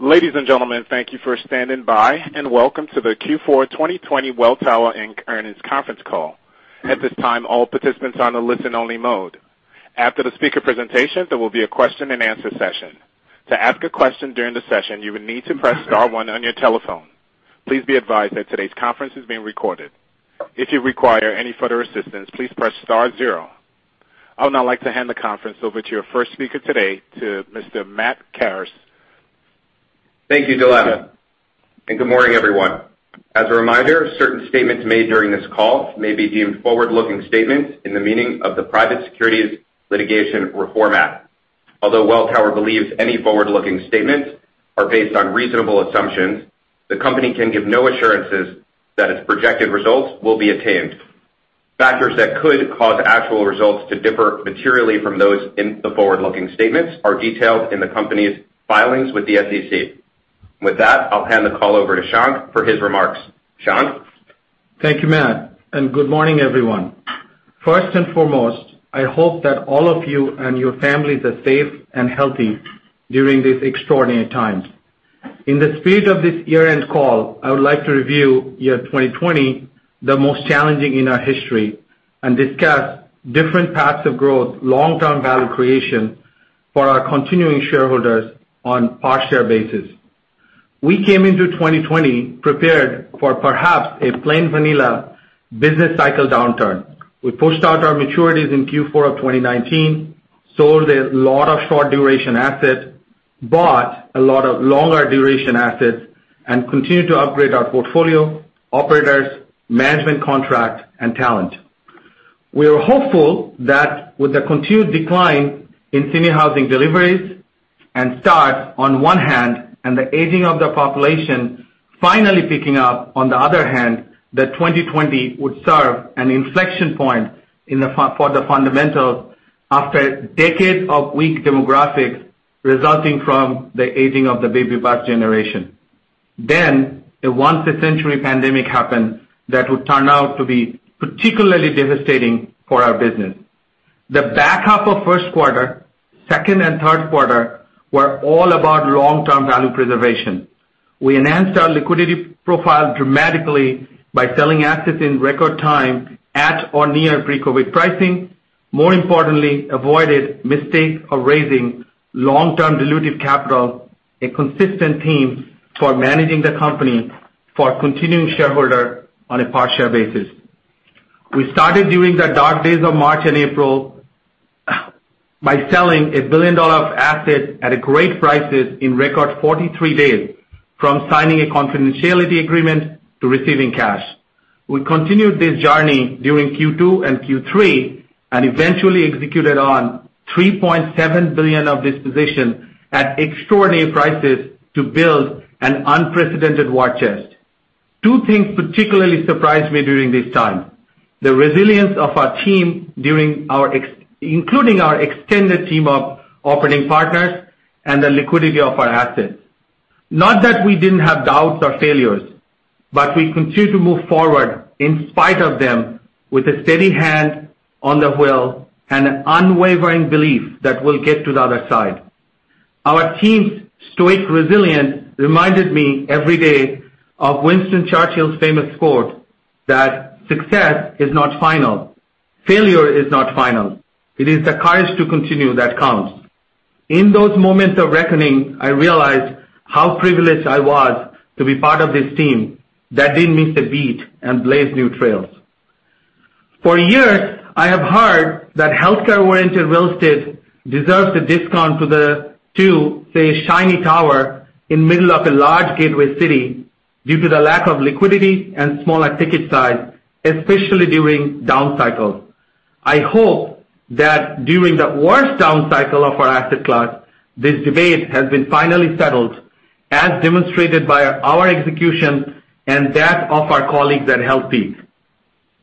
Ladies and gentlemen, thank you for standing by, welcome to the Q4 2020 Welltower Inc. Earnings Conference Call. At this time, all participants are on a listen-only mode. After the speaker presentation, there will be a question-and-answer session. To ask a question during the session, you will need to press star one on your telephone. Please be advised that today's conference is being recorded. If you require any further assistance, please press star zero. I would now like to hand the conference over to your first speaker today, to Mr. Matt Carrus. Thank you, Dileepa, good morning, everyone. As a reminder, certain statements made during this call may be deemed forward-looking statements in the meaning of the Private Securities Litigation Reform Act. Although Welltower believes any forward-looking statements are based on reasonable assumptions, the company can give no assurances that its projected results will be attained. Factors that could cause actual results to differ materially from those in the forward-looking statements are detailed in the company's filings with the SEC. With that, I'll hand the call over to Shankh for his remarks. Shankh? Thank you, Matt. Good morning, everyone. First and foremost, I hope that all of you and your families are safe and healthy during these extraordinary times. In the spirit of this year-end call, I would like to review 2020, the most challenging in our history, and discuss different paths of growth, long-term value creation for our continuing shareholders on a per-share basis. We came into 2020 prepared for perhaps a plain vanilla business cycle downturn. We pushed out our maturities in Q4 2019, sold a lot of short-duration assets, bought a lot of longer duration assets, and continued to upgrade our portfolio, operators, management contract, and talent. We are hopeful that with the continued decline in senior housing deliveries and starts on one hand, and the aging of the population finally picking up on the other hand, that 2020 would serve an inflection point for the fundamentals after decades of weak demographics resulting from the aging of the baby bust generation. A once-a-century pandemic happened that would turn out to be particularly devastating for our business. The back half of first quarter, second and third quarter were all about long-term value preservation. We enhanced our liquidity profile dramatically by selling assets in record time at or near pre-COVID pricing. More importantly, avoided mistake of raising long-term dilutive capital, a consistent theme toward managing the company for continuing shareholder on a per-share basis. We started during the dark days of March and April by selling $1 billion of assets at great prices in record 43 days, from signing a confidentiality agreement to receiving cash. We continued this journey during Q2 and Q3, eventually executed on $3.7 billion of disposition at extraordinary prices to build an unprecedented war chest. Two things particularly surprised me during this time. The resilience of our team including our extended team of operating partners and the liquidity of our assets. Not that we didn't have doubts or failures, we continued to move forward in spite of them with a steady hand on the wheel and an unwavering belief that we'll get to the other side. Our team's stoic resilience reminded me every day of Winston Churchill's famous quote that success is not final. Failure is not final. It is the courage to continue that counts. In those moments of reckoning, I realized how privileged I was to be part of this team that didn't miss a beat and blazed new trails. For years, I have heard that healthcare-oriented real estate deserves a discount to, say, a shiny tower in middle of a large gateway city due to the lack of liquidity and smaller ticket size, especially during down cycles. I hope that during the worst down cycle of our asset class, this debate has been finally settled, as demonstrated by our execution and that of our colleagues at Healthpeak.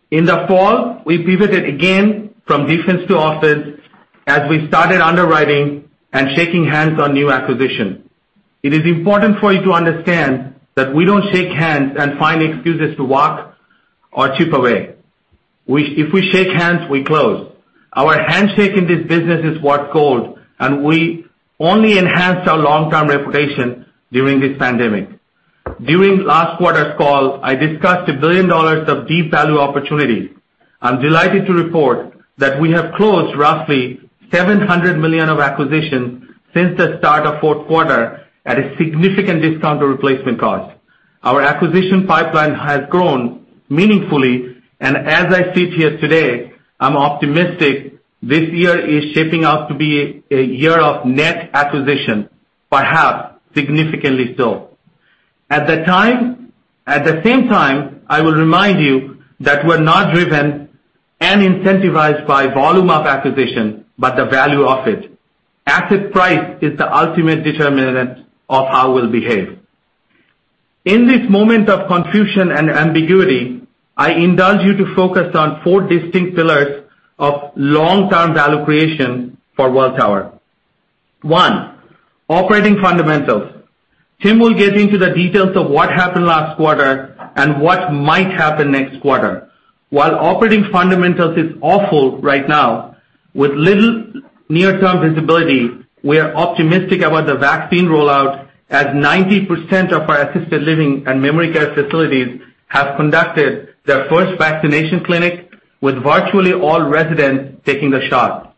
In the fall, we pivoted again from defense to office as we started underwriting and shaking hands on new acquisition. It is important for you to understand that we don't shake hands and find excuses to walk or chip away. If we shake hands, we close. Our handshake in this business is worth gold, and we only enhanced our long-term reputation during this pandemic. During last quarter's call, I discussed a $1 billion of deep value opportunity. I'm delighted to report that we have closed roughly $700 million of acquisition since the start of fourth quarter at a significant discount to replacement cost. Our acquisition pipeline has grown meaningfully. As I sit here today, I'm optimistic this year is shaping up to be a year of net acquisition, perhaps significantly so. At the same time, I will remind you that we're not driven and incentivized by volume of acquisition, but the value of it. Asset price is the ultimate determinant of how we'll behave. In this moment of confusion and ambiguity, I indulge you to focus on four distinct pillars of long-term value creation for Welltower. One, operating fundamentals. Tim will get into the details of what happened last quarter and what might happen next quarter. While operating fundamentals is awful right now, with little near-term visibility, we are optimistic about the vaccine rollout, as 90% of our assisted living and memory care facilities have conducted their first vaccination clinic, with virtually all residents taking the shot.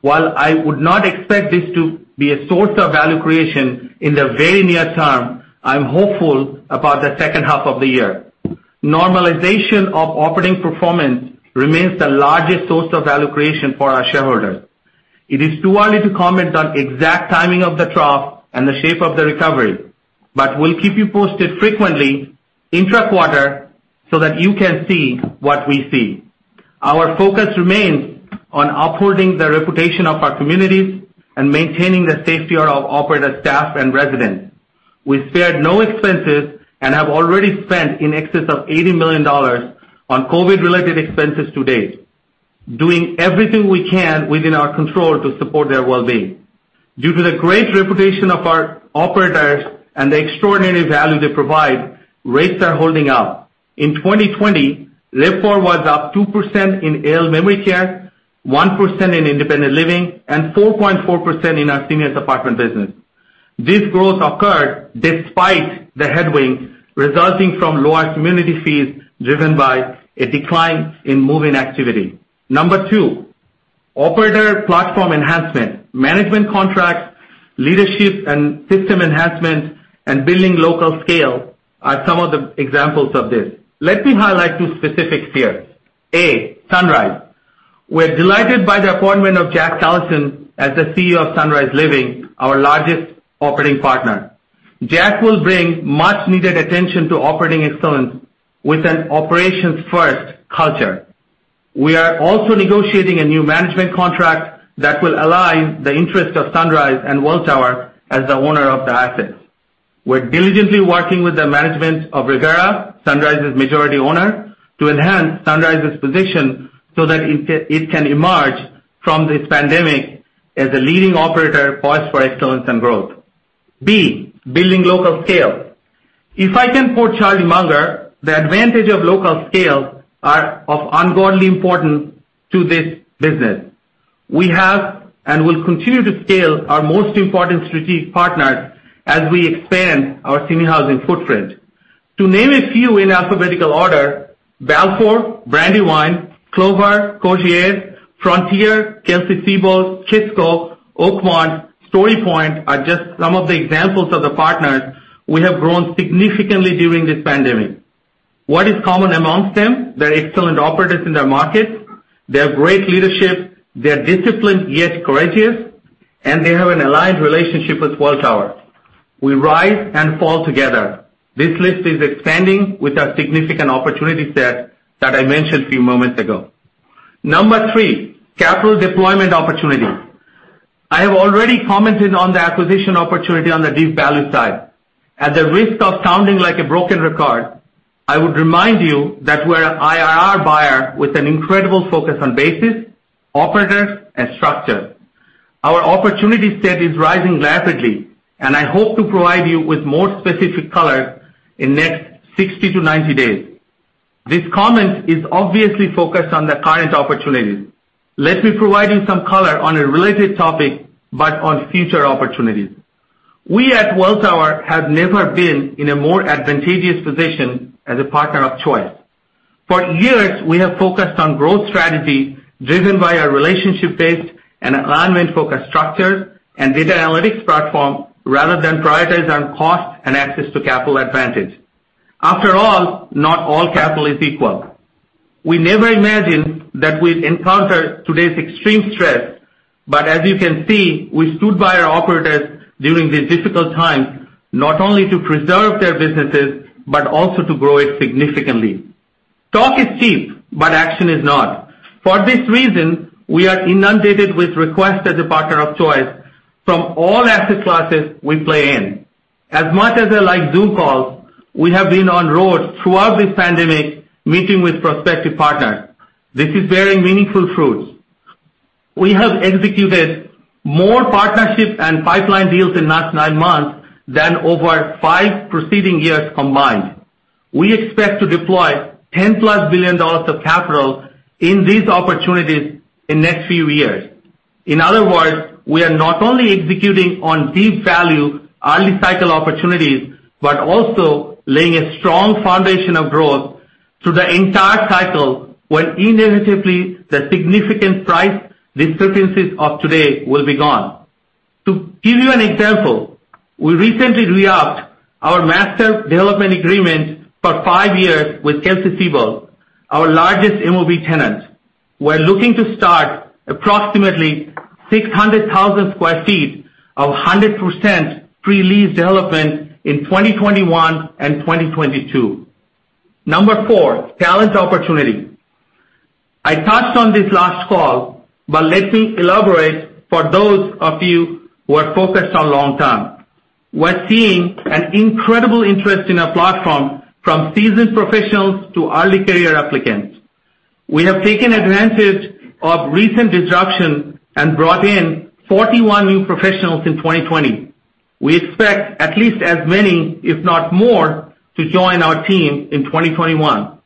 While I would not expect this to be a source of value creation in the very near term, I'm hopeful about the second half of the year. Normalization of operating performance remains the largest source of value creation for our shareholders. It is too early to comment on exact timing of the trough and the shape of the recovery, but we'll keep you posted frequently intra-quarter so that you can see what we see. Our focus remains on upholding the reputation of our communities and maintaining the safety of operator staff and residents. We spared no expense and have already spent in excess of $80 million on COVID-related expenses to date, doing everything we can within our control to support their wellbeing. Due to the great reputation of our operators and the extraordinary value they provide, rates are holding up. In 2020, RevPAR was up 2% in AL memory care, 1% in independent living, and 4.4% in our seniors apartment business. This growth occurred despite the headwind resulting from lower community fees, driven by a decline in move-in activity. Number two, operator platform enhancement. Management contracts, leadership and system enhancement, and building local scale are some of the examples of this. Let me highlight two specifics here. A, Sunrise. We're delighted by the appointment of Jack Callison as the CEO of Sunrise Senior Living, our largest operating partner. Jack will bring much needed attention to operating excellence with an operations-first culture. We are also negotiating a new management contract that will align the interest of Sunrise and Welltower as the owner of the assets. We're diligently working with the management of Revera, Sunrise's majority owner, to enhance Sunrise's position so that it can emerge from this pandemic as a leading operator poised for excellence and growth. B, building local scale. If I can quote Charlie Munger, the advantage of local scale are of ungodly importance to this business. We have and will continue to scale our most important strategic partners as we expand our senior housing footprint. To name a few in alphabetical order, Balfour, Brandywine, Clover, Courtyard, Frontier, Kelsey-Seybold, Kisco, Oakmont, StoryPoint are just some of the examples of the partners we have grown significantly during this pandemic. What is common amongst them? They're excellent operators in their markets. They have great leadership. They are disciplined yet courageous, and they have an aligned relationship with Welltower. We rise and fall together. This list is expanding with our significant opportunity set that I mentioned a few moments ago. Number three, capital deployment opportunity. I have already commented on the acquisition opportunity on the deep value side. At the risk of sounding like a broken record, I would remind you that we're an IRR buyer with an incredible focus on basis, operators, and structure. Our opportunity set is rising rapidly, and I hope to provide you with more specific color in next 60-90 days. This comment is obviously focused on the current opportunities. Let me provide you some color on a related topic, but on future opportunities. We at Welltower have never been in a more advantageous position as a partner of choice. For years, we have focused on growth strategy driven by our relationship-based and alignment-focused structures and data analytics platform rather than prioritize on cost and access to capital advantage. After all, not all capital is equal. We never imagined that we'd encounter today's extreme stress, but as you can see, we stood by our operators during these difficult times, not only to preserve their businesses, but also to grow it significantly. Talk is cheap, but action is not. For this reason, we are inundated with requests as a partner of choice from all asset classes we play in. As much as I like Zoom calls, we have been on road throughout this pandemic, meeting with prospective partners. This is bearing meaningful fruits. We have executed more partnerships and pipeline deals in the last nine months than over five preceding years combined. We expect to deploy $10+ billion of capital in these opportunities in next few years. In other words, we are not only executing on deep value early cycle opportunities, but also laying a strong foundation of growth through the entire cycle when inevitably, the significant price discrepancies of today will be gone. To give you an example, we recently re-upped our master development agreement for five years with Kelsey-Seybold, our largest MOB tenant. We are looking to start approximately 600,000 sq ft of 100% pre-lease development in 2021 and 2022. Number four, talent opportunity. I touched on this last call. Let me elaborate for those of you who are focused on long term. We're seeing an incredible interest in our platform from seasoned professionals to early career applicants. We have taken advantage of recent disruption and brought in 41 new professionals in 2020. We expect at least as many, if not more, to join our team in 2021.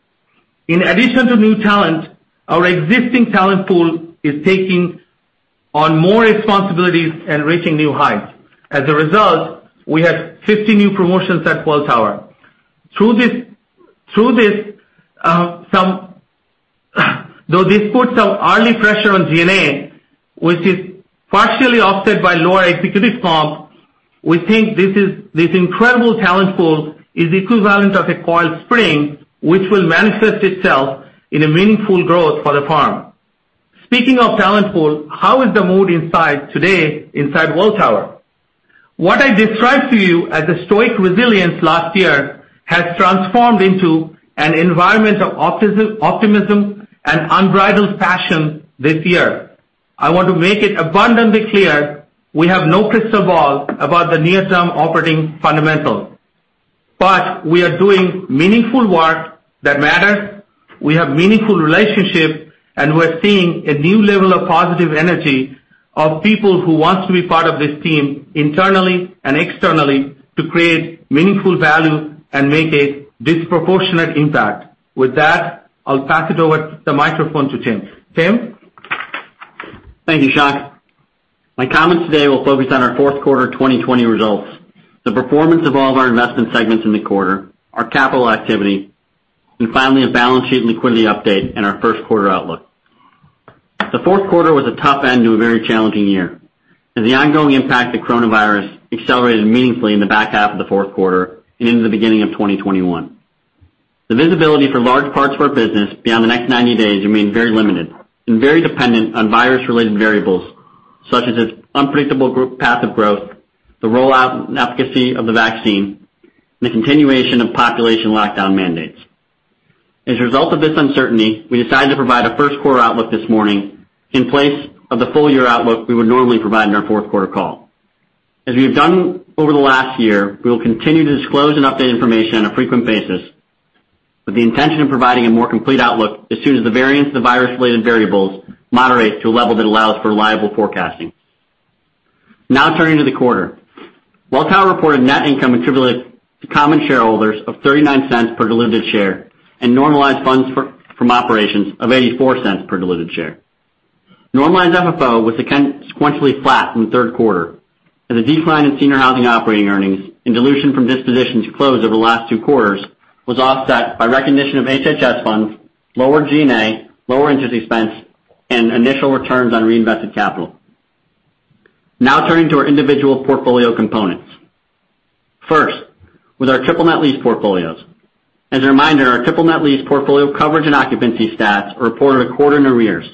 In addition to new talent, our existing talent pool is taking on more responsibilities and reaching new heights. As a result, we had 50 new promotions at Welltower. Though this puts some early pressure on G&A, which is partially offset by lower executive comp, we think this incredible talent pool is equivalent of a coiled spring, which will manifest itself in a meaningful growth for the firm. Speaking of talent pool, how is the mood inside today Welltower? What I described to you as a stoic resilience last year has transformed into an environment of optimism and unbridled passion this year. I want to make it abundantly clear, we have no crystal ball about the near-term operating fundamentals. We are doing meaningful work that matters. We have meaningful relationships, and we're seeing a new level of positive energy of people who want to be part of this team internally and externally to create meaningful value and make a disproportionate impact. With that, I'll pass it over the microphone to Tim. Tim? Thank you, Shankh. My comments today will focus on our fourth quarter 2020 results, the performance of all of our investment segments in the quarter, our capital activity, finally, a balance sheet liquidity update and our first quarter outlook. The fourth quarter was a tough end to a very challenging year, as the ongoing impact of coronavirus accelerated meaningfully in the back half of the fourth quarter and into the beginning of 2021. The visibility for large parts of our business beyond the next 90 days remain very limited and very dependent on virus-related variables such as its unpredictable path of growth, the rollout and efficacy of the vaccine, and the continuation of population lockdown mandates. As a result of this uncertainty, we decided to provide a first quarter outlook this morning in place of the full-year outlook we would normally provide in our fourth quarter call. As we have done over the last year, we will continue to disclose and update information on a frequent basis with the intention of providing a more complete outlook as soon as the variants of the virus-related variables moderate to a level that allows for reliable forecasting. Turning to the quarter. Welltower reported net income attributable to common shareholders of $0.39 per diluted share and normalized funds from operations of $0.84 per diluted share. Normalized FFO was sequentially flat from the third quarter, as a decline in senior housing operating earnings and dilution from dispositions closed over the last two quarters was offset by recognition of HHS funds, lower G&A, lower interest expense, and initial returns on reinvested capital. Turning to our individual portfolio components. First, with our triple net lease portfolios. Our triple net lease portfolio coverage and occupancy stats are reported a quarter in arrears.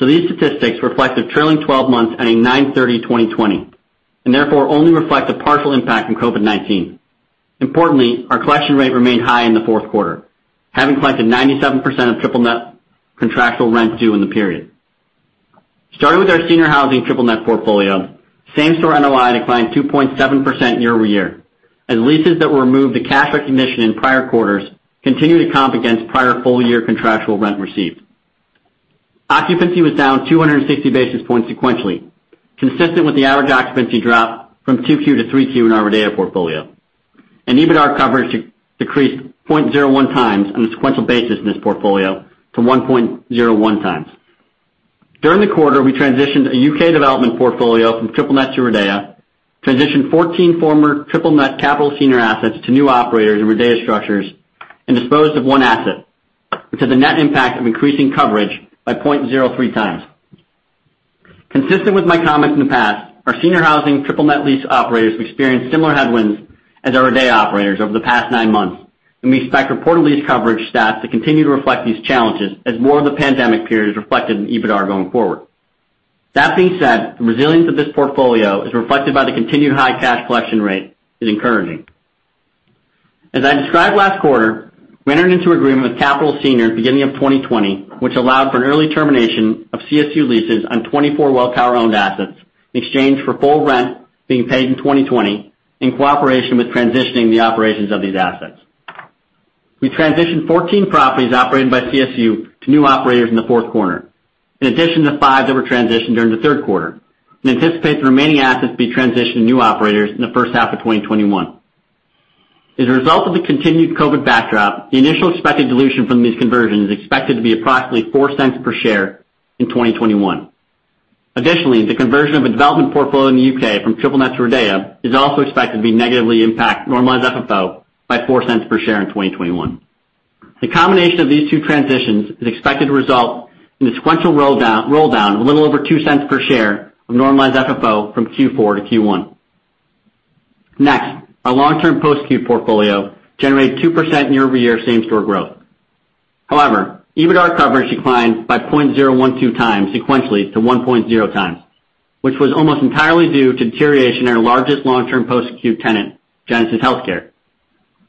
These statistics reflect a trailing 12 months ending 9/30/2020, and therefore only reflect the partial impact from COVID-19. Importantly, our collection rate remained high in the fourth quarter, having collected 97% of triple net contractual rents due in the period. Starting with our senior housing triple net portfolio, same-store NOI declined 2.7% year-over-year, as leases that were moved to cash recognition in prior quarters continue to comp against prior full-year contractual rent received. Occupancy was down 260 basis points sequentially, consistent with the average occupancy drop from Q2 to Q3 in our RIDEA portfolio. EBITDAR coverage decreased 0.01x on a sequential basis in this portfolio to 1.01x. During the quarter, we transitioned a U.K. development portfolio from triple-net to RIDEA, transitioned 14 former triple-net Capital Senior assets to new operators in RIDEA structures, and disposed of one asset, which has a net impact of increasing coverage by 0.03x. Consistent with my comments in the past, our senior housing triple-net lease operators experienced similar headwinds as our RIDEA operators over the past nine months, and we expect reported lease coverage stats to continue to reflect these challenges as more of the pandemic period is reflected in EBITDAR going forward. That being said, the resilience of this portfolio, as reflected by the continued high cash collection rate, is encouraging. As I described last quarter, we entered into agreement with Capital Senior at the beginning of 2020, which allowed for an early termination of CSU leases on 24 Welltower-owned assets in exchange for full rent being paid in 2020, in cooperation with transitioning the operations of these assets. We transitioned 14 properties operated by CSU to new operators in the fourth quarter. In addition to five that were transitioned during the third quarter. We anticipate the remaining assets to be transitioned to new operators in the first half of 2021. As a result of the continued COVID backdrop, the initial expected dilution from these conversions is expected to be approximately $0.04 per share in 2021. Additionally, the conversion of a development portfolio in the U.K. from triple-net to RIDEA is also expected to be negatively impact normalized FFO by $0.04 per share in 2021. The combination of these two transitions is expected to result in a sequential roll down of a little over $0.02 per share of normalized FFO from Q4 to Q1. Next, our long-term post-acute portfolio generated 2% year-over-year same store growth. However, EBITDAR coverage declined by 0.012x sequentially-1.0x, which was almost entirely due to deterioration in our largest long-term post-acute tenant, Genesis HealthCare.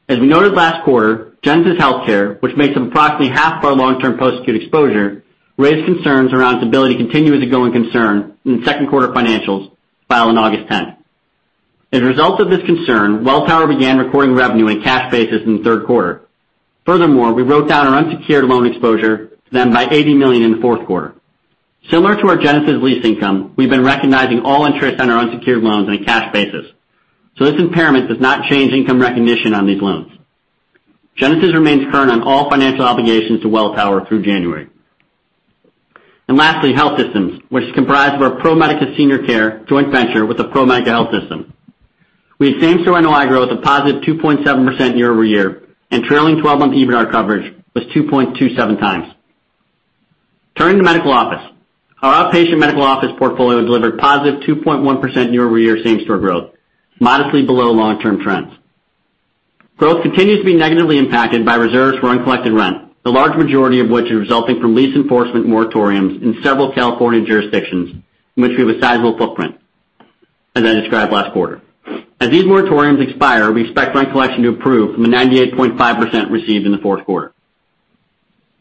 As we noted last quarter, Genesis HealthCare, which makes up approximately half of our long-term post-acute exposure, raised concerns around its ability to continue as a going concern in the second quarter financials filed on August 10th. As a result of this concern, Welltower began recording revenue on a cash basis in the third quarter. Furthermore, we wrote down our unsecured loan exposure to them by $80 million in the fourth quarter. Similar to our Genesis lease income, we've been recognizing all interest on our unsecured loans on a cash basis. This impairment does not change income recognition on these loans. Genesis remains current on all financial obligations to Welltower through January. Lastly, health systems, which is comprised of our ProMedica Senior Care joint venture with the ProMedica health system. We had same-store NOI growth of positive 2.7% year-over-year, and trailing 12-month EBITDA coverage was 2.27x. Turning to medical office. Our outpatient medical office portfolio delivered positive 2.1% year-over-year same-store growth, modestly below long-term trends. Growth continues to be negatively impacted by reserves for uncollected rent, the large majority of which are resulting from lease enforcement moratoriums in several California jurisdictions in which we have a sizable footprint, as I described last quarter. As these moratoriums expire, we expect rent collection to improve from the 98.5% received in the fourth quarter.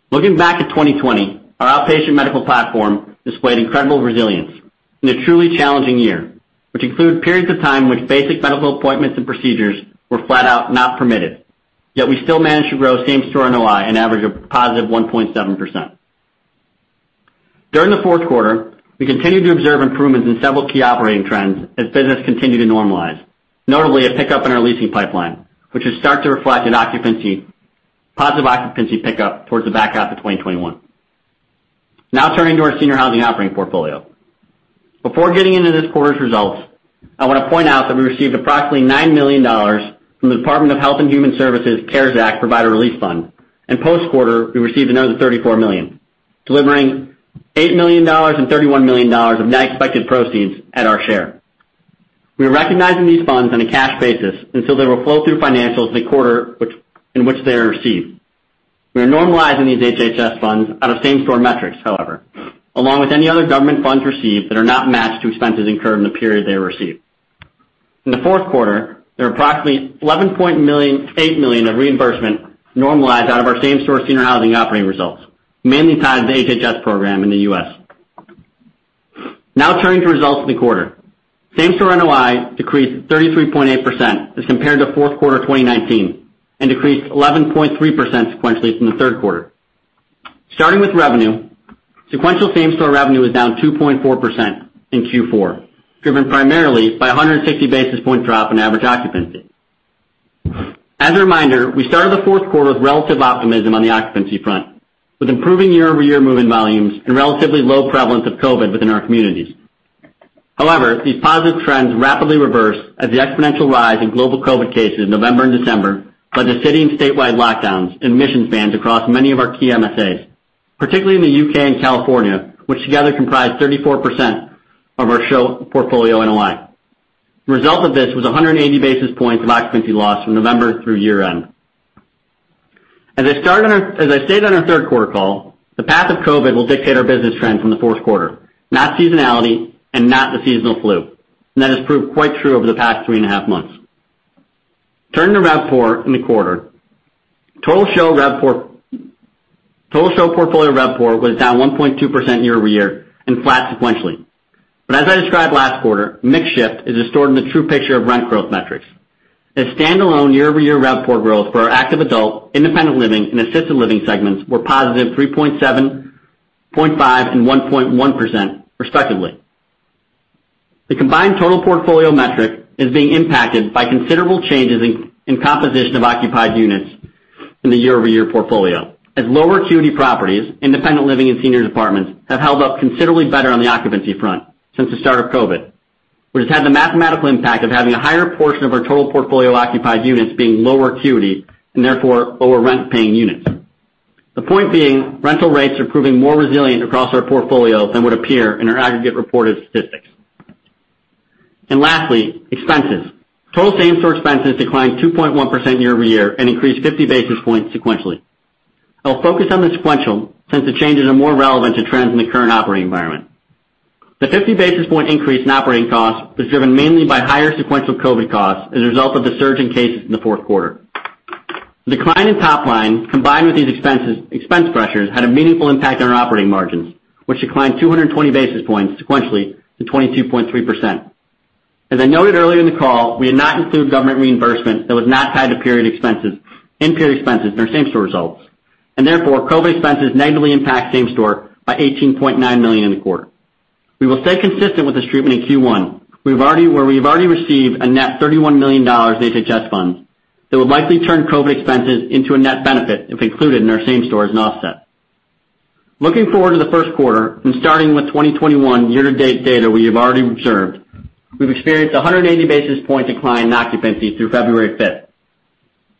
Looking back at 2020, our outpatient medical platform displayed incredible resilience in a truly challenging year, which include periods of time in which basic medical appointments and procedures were flat out not permitted. We still managed to grow same-store NOI an average of positive 1.7%. During the fourth quarter, we continued to observe improvements in several key operating trends as business continued to normalize. Notably, a pickup in our leasing pipeline, which should start to reflect positive occupancy pickup towards the back half of 2021. Turning to our senior housing operating portfolio. Before getting into this quarter's results, I want to point out that we received approximately $9 million from the Department of Health and Human Services CARES Act Provider Relief Fund, post-quarter, we received another $34 million, delivering $8 million and $31 million of net expected proceeds at our share. We are recognizing these funds on a cash basis until they will flow through financials in the quarter in which they are received. We are normalizing these HHS funds out of same-store metrics, however, along with any other government funds received that are not matched to expenses incurred in the period they were received. In the fourth quarter, there were approximately $11.8 million of reimbursement normalized out of our same-store senior housing operating results, mainly tied to the HHS program in the U.S. Now turning to results in the quarter. Same-store NOI decreased 33.8% as compared to fourth quarter 2019 and decreased 11.3% sequentially from the third quarter. Starting with revenue, sequential same-store revenue was down 2.4% in Q4, driven primarily by 160 basis points drop in average occupancy. As a reminder, we started the fourth quarter with relative optimism on the occupancy front with improving year-over-year move-in volumes and relatively low prevalence of COVID within our communities. These positive trends rapidly reversed as the exponential rise in global COVID cases in November and December led to city and statewide lockdowns and admission bans across many of our key MSAs, particularly in the U.K. and California, which together comprise 34% of our portfolio NOI. The result of this was 180 basis points of occupancy loss from November through year-end. As I stated on our third quarter call, the path of COVID will dictate our business trends in the fourth quarter, not seasonality and not the seasonal flu. That has proved quite true over the past three and a half months. Turning to RevPAR in the quarter. Total SHOP portfolio RevPAR was down 1.2% year-over-year and flat sequentially. As I described last quarter, mix shift is distorting the true picture of rent growth metrics. Standalone year-over-year RevPAR growth for our active adult, independent living, and assisted living segments were positive 3.7%, 0.5%, and 1.1%, respectively. The combined total portfolio metric is being impacted by considerable changes in composition of occupied units in the year-over-year portfolio, as lower acuity properties, independent living and senior apartments, have held up considerably better on the occupancy front since the start of COVID. Which has had the mathematical impact of having a higher portion of our total portfolio occupied units being lower acuity and therefore lower rent-paying units. The point being, rental rates are proving more resilient across our portfolio than would appear in our aggregate reported statistics. Lastly, expenses. Total same-store expenses declined 2.1% year-over-year and increased 50 basis points sequentially. I will focus on the sequential, since the changes are more relevant to trends in the current operating environment. The 50 basis point increase in operating costs was driven mainly by higher sequential COVID costs as a result of the surge in cases in the fourth quarter. Decline in top line, combined with these expense pressures, had a meaningful impact on our operating margins, which declined 220 basis points sequentially to 22.3%. As I noted earlier in the call, we had not included government reimbursement that was not tied to period expenses in period expenses in our same-store results, therefore, COVID expenses negatively impact same-store by $18.9 million in the quarter. We will stay consistent with this treatment in Q1, where we've already received a net $31 million in HHS funds that will likely turn COVID expenses into a net benefit if included in our same-store as an offset. Looking forward to the first quarter and starting with 2021 year-to-date data we have already observed, we've experienced 180 basis point decline in occupancy through February 5th.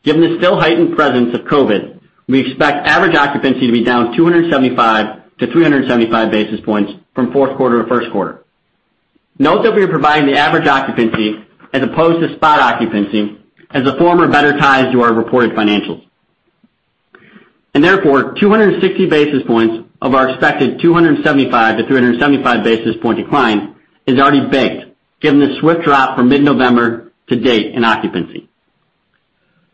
Given the still heightened presence of COVID, we expect average occupancy to be down 275-`375 basis points from fourth quarter to first quarter. Note that we are providing the average occupancy as opposed to spot occupancy as the former better ties to our reported financials. Therefore, 260 basis points of our expected 275-375 basis point decline is already baked, given the swift drop from mid-November to date in occupancy.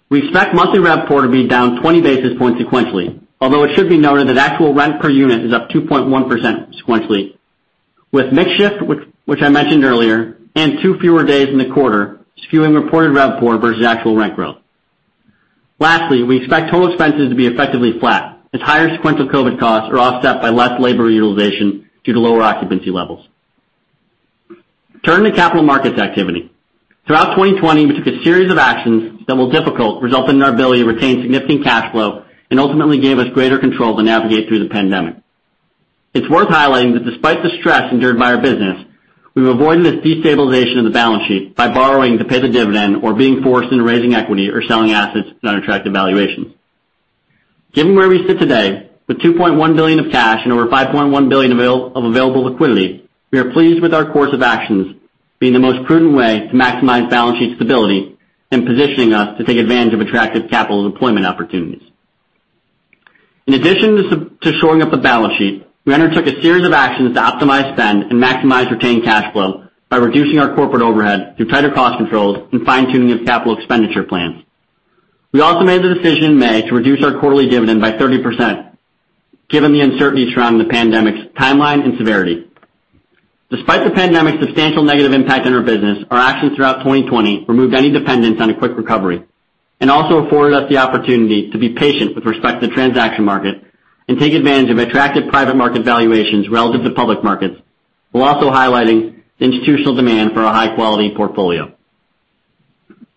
We expect monthly RevPAR to be down 20 basis points sequentially, although it should be noted that actual rent per unit is up 2.1% sequentially, with mix shift, which I mentioned earlier, and two fewer days in the quarter skewing reported RevPAR versus actual rent growth. Lastly, we expect total expenses to be effectively flat as higher sequential COVID costs are offset by less labor utilization due to lower occupancy levels. Turning to capital markets activity. Throughout 2020, we took a series of actions that were difficult, resulting in our ability to retain significant cash flow and ultimately gave us greater control to navigate through the pandemic. It's worth highlighting that despite the stress endured by our business, we've avoided a destabilization of the balance sheet by borrowing to pay the dividend or being forced into raising equity or selling assets at unattractive valuations. Given where we sit today with $2.1 billion of cash and over $5.1 billion of available liquidity, we are pleased with our course of actions being the most prudent way to maximize balance sheet stability and positioning us to take advantage of attractive capital deployment opportunities. In addition to shoring up the balance sheet, we undertook a series of actions to optimize spend and maximize retained cash flow by reducing our corporate overhead through tighter cost controls and fine-tuning of capital expenditure plans. We also made the decision in May to reduce our quarterly dividend by 30% given the uncertainties surrounding the pandemic's timeline and severity. Despite the pandemic's substantial negative impact on our business, our actions throughout 2020 removed any dependence on a quick recovery and also afforded us the opportunity to be patient with respect to the transaction market and take advantage of attractive private market valuations relative to public markets, while also highlighting the institutional demand for a high-quality portfolio.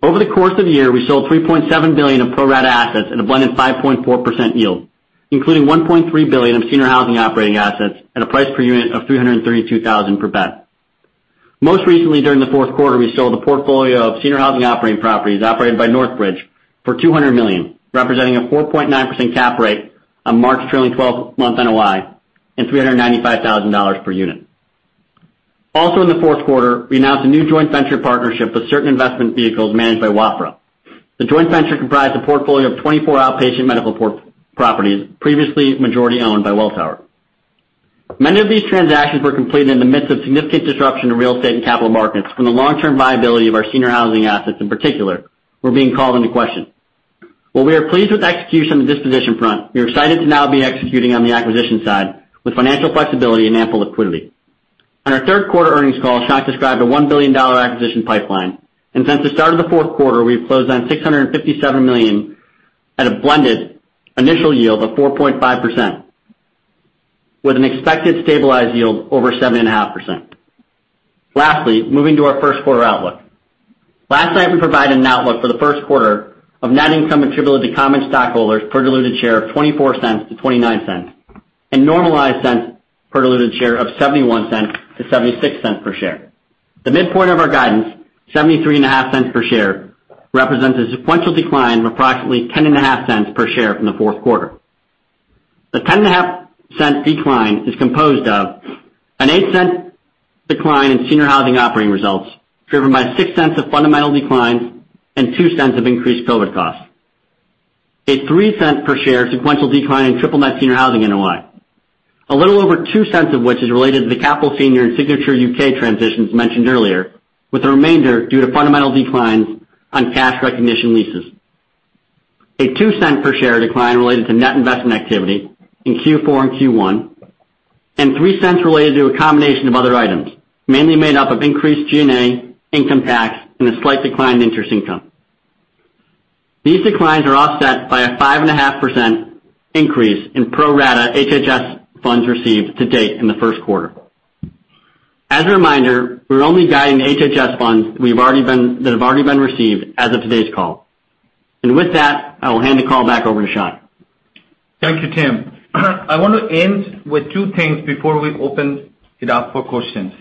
Over the course of the year, we sold $3.7 billion of pro-rata assets at a blended 5.4% yield, including $1.3 billion of senior housing operating assets at a price per unit of $332,000 per bed. Most recently, during the fourth quarter, we sold a portfolio of senior housing operating properties operated by Northbridge for $200 million, representing a 4.9% cap rate on March 2012 month NOI and $395,000 per unit. Also in the fourth quarter, we announced a new joint venture partnership with certain investment vehicles managed by Wafra. The joint venture comprised a portfolio of 24 outpatient medical properties previously majority owned by Welltower. Many of these transactions were completed in the midst of significant disruption to real estate and capital markets when the long-term viability of our senior housing assets, in particular, were being called into question. While we are pleased with the execution on the disposition front, we are excited to now be executing on the acquisition side with financial flexibility and ample liquidity. Since the start of the fourth quarter, Shankh described a $1 billion acquisition pipeline, and since the start of the fourth quarter, we've closed on $657 million at a blended initial yield of 4.5%, with an expected stabilized yield over 7.5%. Lastly, moving to our first quarter outlook. Last night, we provided an outlook for the first quarter of net income attributable to common stockholders per diluted share of $0.24-$0.29 and normalized per diluted share of $0.71 to $0.76 per share. The midpoint of our guidance, $0.735 per share, represents a sequential decline of approximately $0.105 per share from the fourth quarter. The $0.105 decline is composed of an $0.08 decline in senior housing operating results, driven by $0.06 of fundamental declines and $0.02 of increased COVID costs. A $0.03 per share sequential decline in triple net senior housing NOI. A little over $0.02 of which is related to the Capital Senior and Signature U.K. transitions mentioned earlier, with the remainder due to fundamental declines on cash recognition leases. A $0.02 per share decline related to net investment activity in Q4 and Q1, and $0.03 related to a combination of other items, mainly made up of increased G&A, income tax, and a slight decline in interest income. These declines are offset by a 5.5% increase in pro rata HHS funds received to date in the first quarter. As a reminder, we're only guiding the HHS funds that have already been received as of today's call. With that, I will hand the call back over to Shankh. Thank you, Tim. I want to end with two things before we open it up for questions.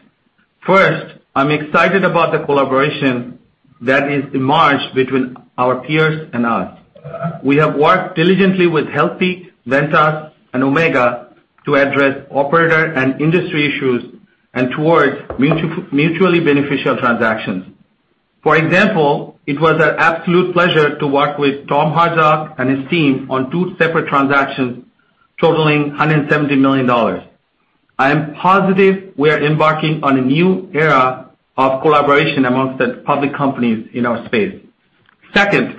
First, I'm excited about the collaboration that is emerged between our peers and us. We have worked diligently with Healthpeak, Ventas, and Omega to address operator and industry issues and towards mutually beneficial transactions. For example, it was an absolute pleasure to work with Tom Herzog and his team on two separate transactions totaling $170 million. I am positive we are embarking on a new era of collaboration amongst the public companies in our space. Second,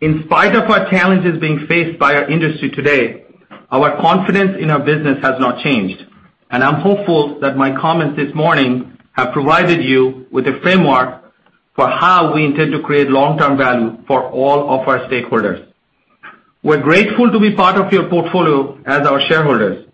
in spite of what challenges being faced by our industry today, our confidence in our business has not changed, and I'm hopeful that my comments this morning have provided you with a framework for how we intend to create long-term value for all of our stakeholders. We're grateful to be part of your portfolio as our shareholders.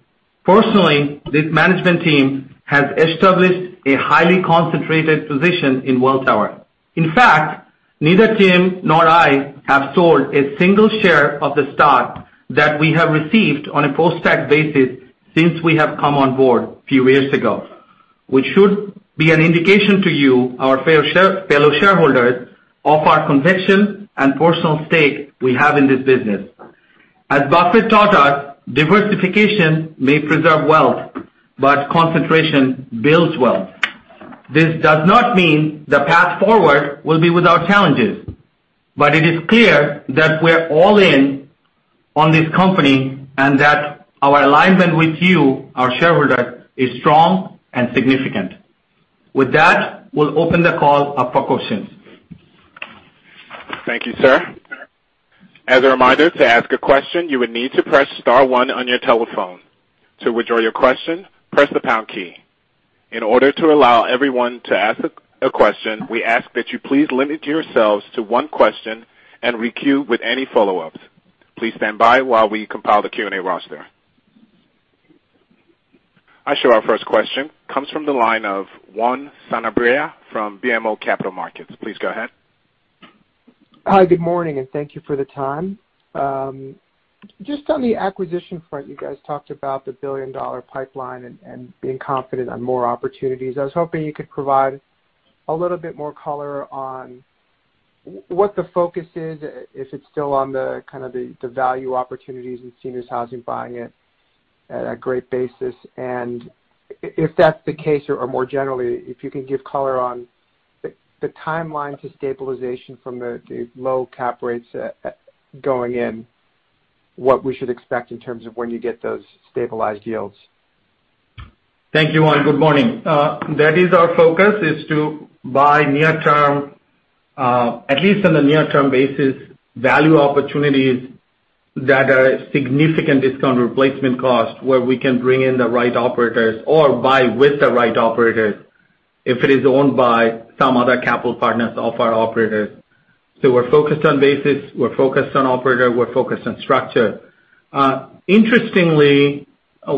Personally, the management team has established a highly concentrated position in Welltower. In fact, neither Tim nor I have sold a single share of the stock that we have received on a post-tax basis since we have come on board a few years ago, which should be an indication to you, our fellow shareholders, of our conviction and personal stake we have in this business. As Buffett taught us, diversification may preserve wealth, but concentration builds wealth. This does not mean the path forward will be without challenges, but it is clear that we're all in on this company and that our alignment with you, our shareholder, is strong and significant. With that, we'll open the call up for questions. Thank you, sir. As a reminder, to ask a question, you would need to press star one on your telephone. To withdraw your question, press the pound key. In order to allow everyone to ask a question, we ask that you please limit yourselves to one question and re-queue with any follow-ups. Please stand by while we compile the Q&A roster. I show our first question comes from the line of Juan Sanabria from BMO Capital Markets. Please go ahead. Hi, good morning, and thank you for the time. Just on the acquisition front, you guys talked about the billion-dollar pipeline and being confident on more opportunities. I was hoping you could provide a little bit more color on what the focus is, if it's still on the value opportunities in seniors housing, buying it at a great basis. If that's the case, or more generally, if you can give color on the timeline to stabilization from the low cap rates going in, what we should expect in terms of when you get those stabilized yields. Thank you, Juan. Good morning. That is our focus is to buy at least on the near-term basis, value opportunities that are significant discount replacement cost, where we can bring in the right operators or buy with the right operators if it is owned by some other capital partners of our operators. We're focused on basis, we're focused on operator, we're focused on structure. Interestingly,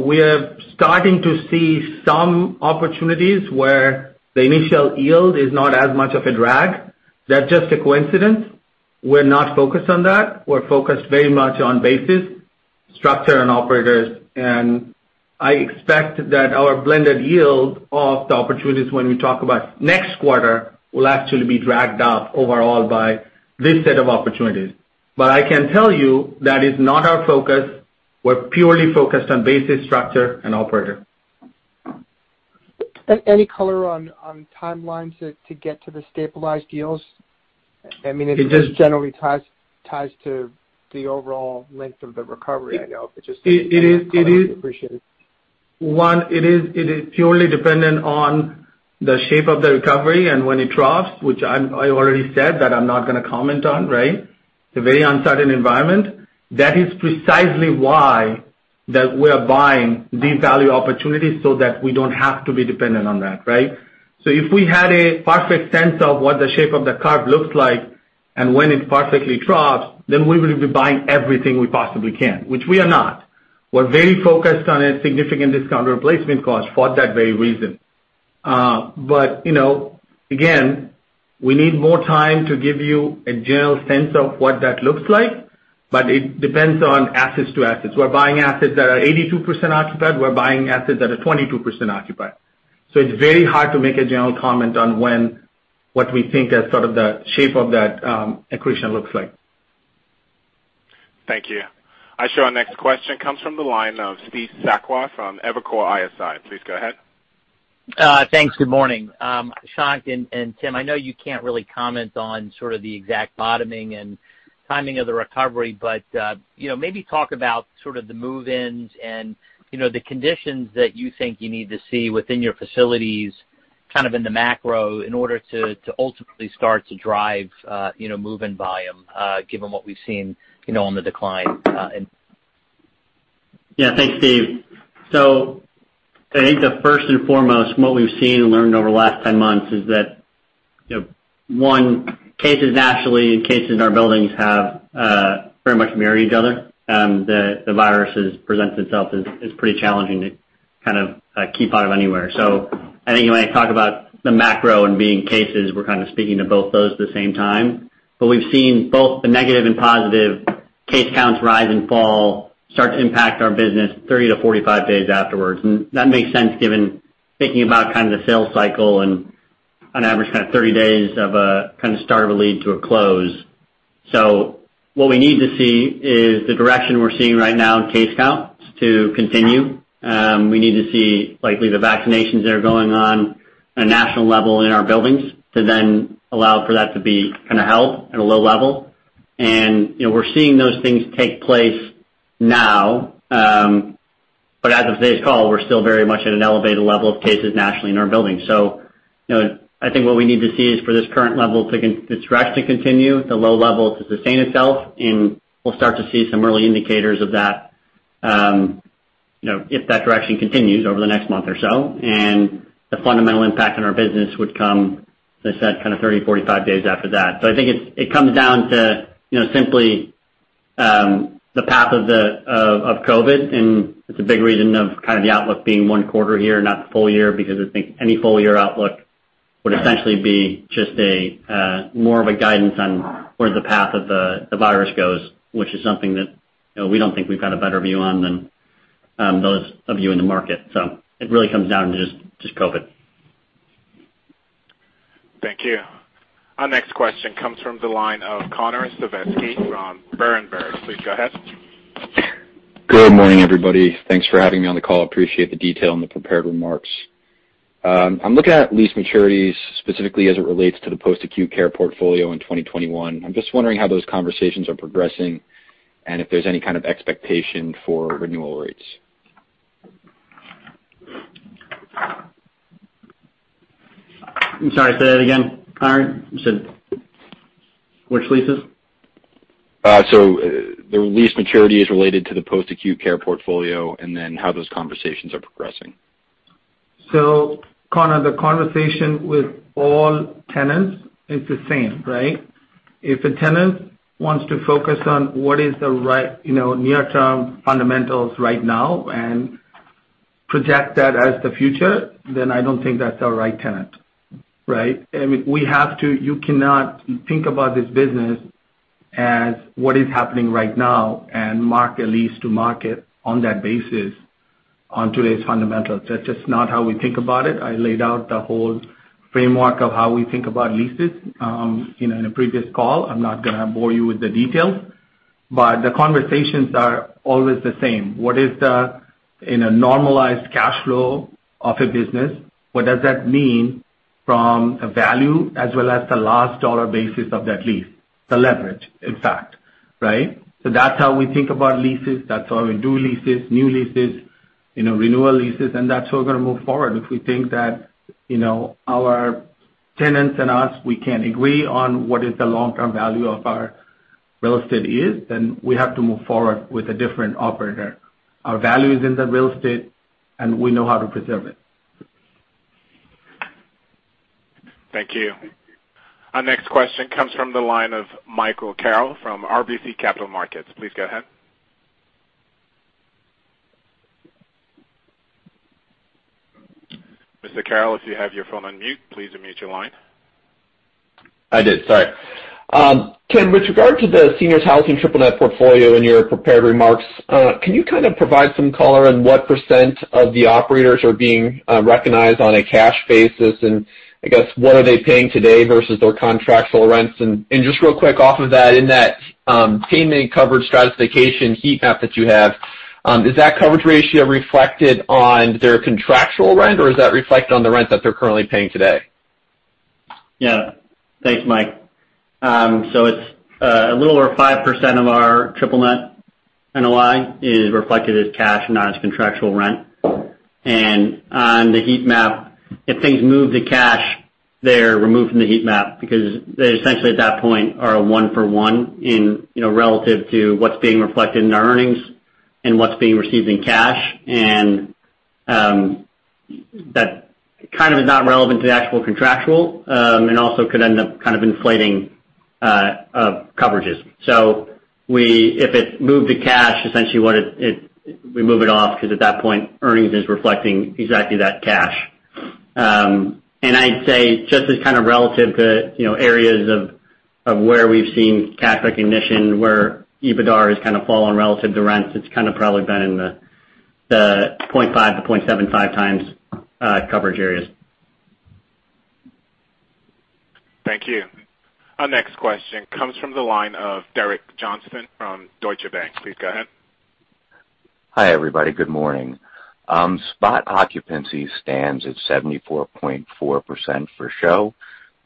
we are starting to see some opportunities where the initial yield is not as much of a drag. That's just a coincidence. We're not focused on that. We're focused very much on basis, structure, and operators. I expect that our blended yield of the opportunities when we talk about next quarter will actually be dragged up overall by this set of opportunities. I can tell you that is not our focus. We're purely focused on basis, structure, and operator. Any color on timelines to get to the stabilized yields? It just generally ties to the overall length of the recovery, I know, but just. It is. appreciate it. Juan, it is purely dependent on the shape of the recovery and when it drops, which I already said that I'm not going to comment on, right? It's a very uncertain environment. That is precisely why that we're buying these value opportunities so that we don't have to be dependent on that, right? If we had a perfect sense of what the shape of the curve looks like and when it perfectly drops, then we would be buying everything we possibly can, which we are not. We're very focused on a significant discount replacement cost for that very reason. Again, we need more time to give you a general sense of what that looks like, but it depends on assets to assets. We're buying assets that are 82% occupied, we're buying assets that are 22% occupied. It's very hard to make a general comment on what we think the shape of that accretion looks like. Thank you. I show our next question comes from the line of Steve Sakwa from Evercore ISI. Please go ahead. Thanks. Good morning. Shankh and Tim, I know you can't really comment on sort of the exact bottoming and timing of the recovery, but maybe talk about sort of the move-ins and the conditions that you think you need to see within your facilities, kind of in the macro, in order to ultimately start to drive move-in volume, given what we've seen on the decline and. Yeah. Thanks, Steve. I think the first and foremost, what we've seen and learned over the last 10 months is that one, cases nationally and cases in our buildings have very much mirrored each other. The virus has presented itself as pretty challenging to kind of keep out of anywhere. I think when I talk about the macro and being cases, we're kind of speaking to both those at the same time. We've seen both the negative and positive case counts rise and fall, start to impact our business 30 to 45 days afterwards. That makes sense given thinking about kind of the sales cycle and on average kind of 30 days of a kind of start of a lead to a close. What we need to see is the direction we're seeing right now in case counts to continue. We need to see likely the vaccinations that are going on a national level in our buildings to then allow for that to be kind of held at a low level. We're seeing those things take place now. As of today's call, we're still very much at an elevated level of cases nationally in our buildings. I think what we need to see is for this current level, the track to continue, the low level to sustain itself, and we'll start to see some early indicators of that if that direction continues over the next month or so. The fundamental impact on our business would come, as I said, kind of 30, 45 days after that. I think it comes down to simply the path of COVID, and it's a big reason of kind of the outlook being one quarter here, not the full year, because I think any full-year outlook would essentially be just more of a guidance on where the path of the virus goes, which is something that we don't think we've got a better view on than those of you in the market. It really comes down to just COVID. Thank you. Our next question comes from the line of Conor Siversky from Berenberg. Please go ahead. Good morning, everybody. Thanks for having me on the call. Appreciate the detail and the prepared remarks. I'm looking at lease maturities specifically as it relates to the post-acute care portfolio in 2021. I'm just wondering how those conversations are progressing and if there's any kind of expectation for renewal rates. I'm sorry, say that again, Connor. You said which leases? The lease maturities related to the post-acute care portfolio, and then how those conversations are progressing. Conor, the conversation with all tenants is the same, right? If a tenant wants to focus on what is the right near-term fundamentals right now and project that as the future, then I don't think that's the right tenant. Right? You cannot think about this business as what is happening right now and mark a lease to market on that basis on today's fundamentals. That's just not how we think about it. I laid out the whole framework of how we think about leases in a previous call. I'm not going to bore you with the details. The conversations are always the same. What is the normalized cash flow of a business? What does that mean from a value as well as the last dollar basis of that lease? The leverage, in fact. Right? That's how we think about leases. That's how we do leases, new leases, renewal leases, and that's how we're going to move forward. If we think that our tenants and us, we can't agree on what is the long-term value of our real estate is, then we have to move forward with a different operator. Our value is in the real estate and we know how to preserve it. Thank you. Our next question comes from the line of Michael Carroll from RBC Capital Markets. Please go ahead. Mr. Carroll, if you have your phone on mute, please unmute your line. I did. Sorry. Ken, with regard to the Seniors Housing Triple Net portfolio in your prepared remarks, can you kind of provide some color on what percent of the operators are being recognized on a cash basis, and I guess what are they paying today versus their contractual rents? Just real quick off of that, in that payment coverage stratification heat map that you have, is that coverage ratio reflected on their contractual rent, or is that reflected on the rent that they're currently paying today? Yeah. Thanks, Mike. It's a little over 5% of our triple net NOI is reflected as cash, not as contractual rent. On the heat map, if things move to cash, they're removed from the heat map because they essentially at that point are a one for one relative to what's being reflected in our earnings and what's being received in cash. That kind of is not relevant to the actual contractual, and also could end up kind of inflating coverages. If it's moved to cash, essentially we move it off because at that point, earnings is reflecting exactly that cash. I'd say, just as kind of relative to areas of where we've seen cash recognition, where EBITDA has kind of fallen relative to rents, it's kind of probably been in the 0.5x-0.75x coverage areas. Thank you. Our next question comes from the line of Derek Johnston from Deutsche Bank. Please go ahead. Hi, everybody. Good morning. Spot occupancy stands at 74.4% for show,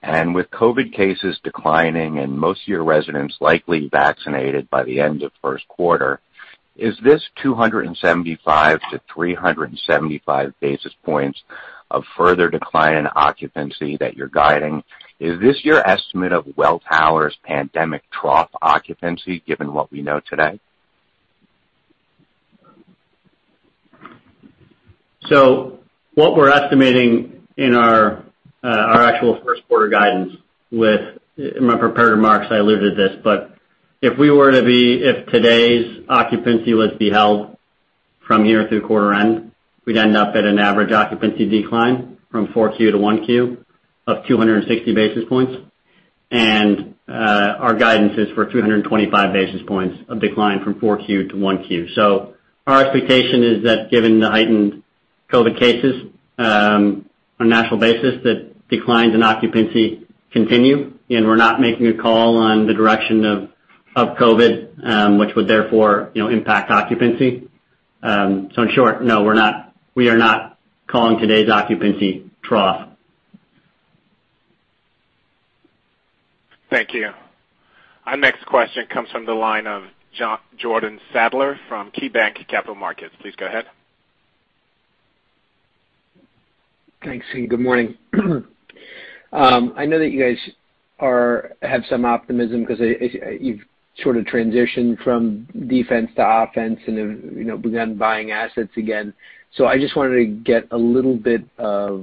and with COVID cases declining and most of your residents likely vaccinated by the end of first quarter, is this 275 to 375 basis points of further decline in occupancy that you're guiding? Is this your estimate of Welltower's pandemic trough occupancy, given what we know today? What we're estimating in our actual first quarter guidance, in my prepared remarks, I alluded this, but if today's occupancy was to be held from here through quarter end, we'd end up at an average occupancy decline from Q4 to Q1 of 260 basis points. Our guidance is for 225 basis points of decline from Q4 to Q1. Our expectation is that given the heightened COVID cases on a national basis, that declines in occupancy continue. We're not making a call on the direction of COVID, which would therefore impact occupancy. In short, no, we are not calling today's occupancy trough. Thank you. Our next question comes from the line of Jordan Sadler from KeyBanc Capital Markets. Please go ahead. Thanks. Good morning. I know that you guys have some optimism because you've sort of transitioned from defense to offense and have begun buying assets again. I just wanted to get a little bit of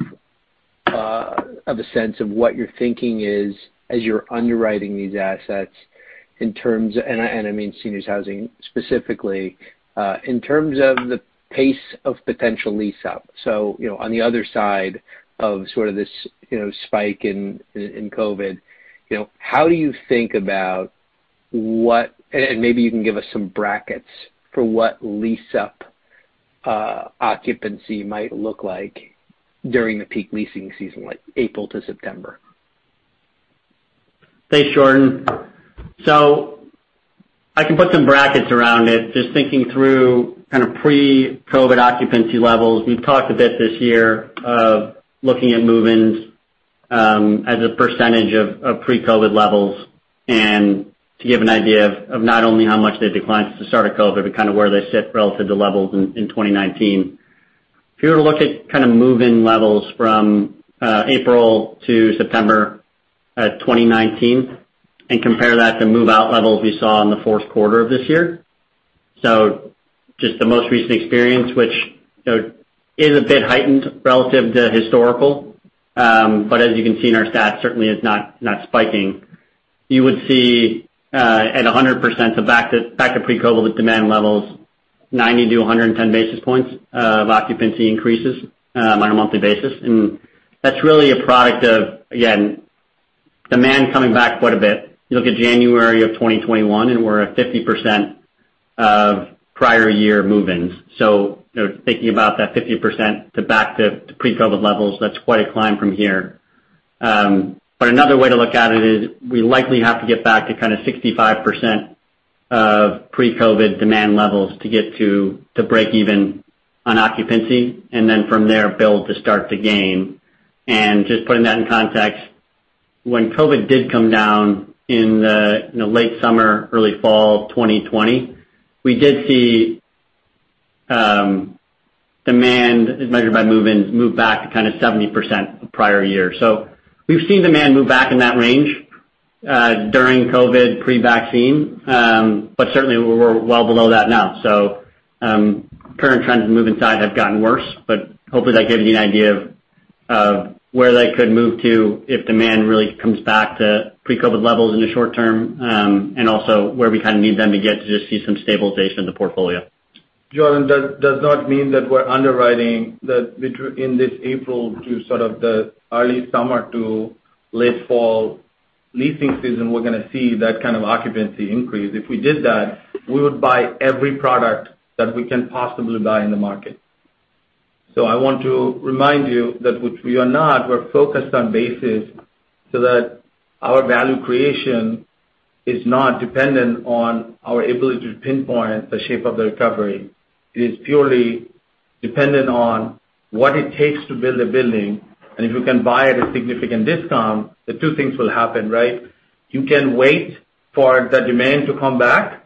a sense of what your thinking is as you're underwriting these assets, and I mean seniors housing specifically, in terms of the pace of potential lease-up. On the other side of sort of this spike in COVID, how do you think about what, and maybe you can give us some brackets for what lease-up occupancy might look like during the peak leasing season, like April to September. Thanks, Jordan. I can put some brackets around it, just thinking through kind of pre-COVID occupancy levels. We've talked a bit this year of looking at move-ins as a percentage of pre-COVID levels. To give an idea of not only how much they declined at the start of COVID, but kind of where they sit relative to levels in 2019. If you were to look at kind of move-in levels from April to September 2019 and compare that to move-out levels we saw in the fourth quarter of this year. Just the most recent experience, which is a bit heightened relative to historical. As you can see in our stats, certainly is not spiking. You would see at 100% back to pre-COVID demand levels, 90-110 basis points of occupancy increases on a monthly basis. That's really a product of, again, demand coming back quite a bit. You look at January of 2021, and we're at 50% of prior year move-ins. Thinking about that 50% to back to pre-COVID levels, that's quite a climb from here. Another way to look at it is we likely have to get back to kind of 65% of pre-COVID demand levels to get to break even on occupancy, and then from there build to start to gain. Just putting that in context, when COVID did come down in the late summer, early fall of 2020, we did see demand as measured by move-ins, move back to kind of 70% the prior year. We've seen demand move back in that range, during COVID pre-vaccine. Certainly, we're well below that now. Current trends in move and side have gotten worse, but hopefully, that gives you an idea of where they could move to if demand really comes back to pre-COVID levels in the short term. Also where we kind of need them to get to just see some stabilization of the portfolio. Jordan, that does not mean that we're underwriting that in this April to sort of the early summer to late fall leasing season, we're going to see that kind of occupancy increase. If we did that, we would buy every product that we can possibly buy in the market. I want to remind you that which we are not, we're focused on basis so that our value creation is not dependent on our ability to pinpoint the shape of the recovery. It is purely dependent on what it takes to build a building, and if you can buy at a significant discount, the two things will happen, right? You can wait for the demand to come back.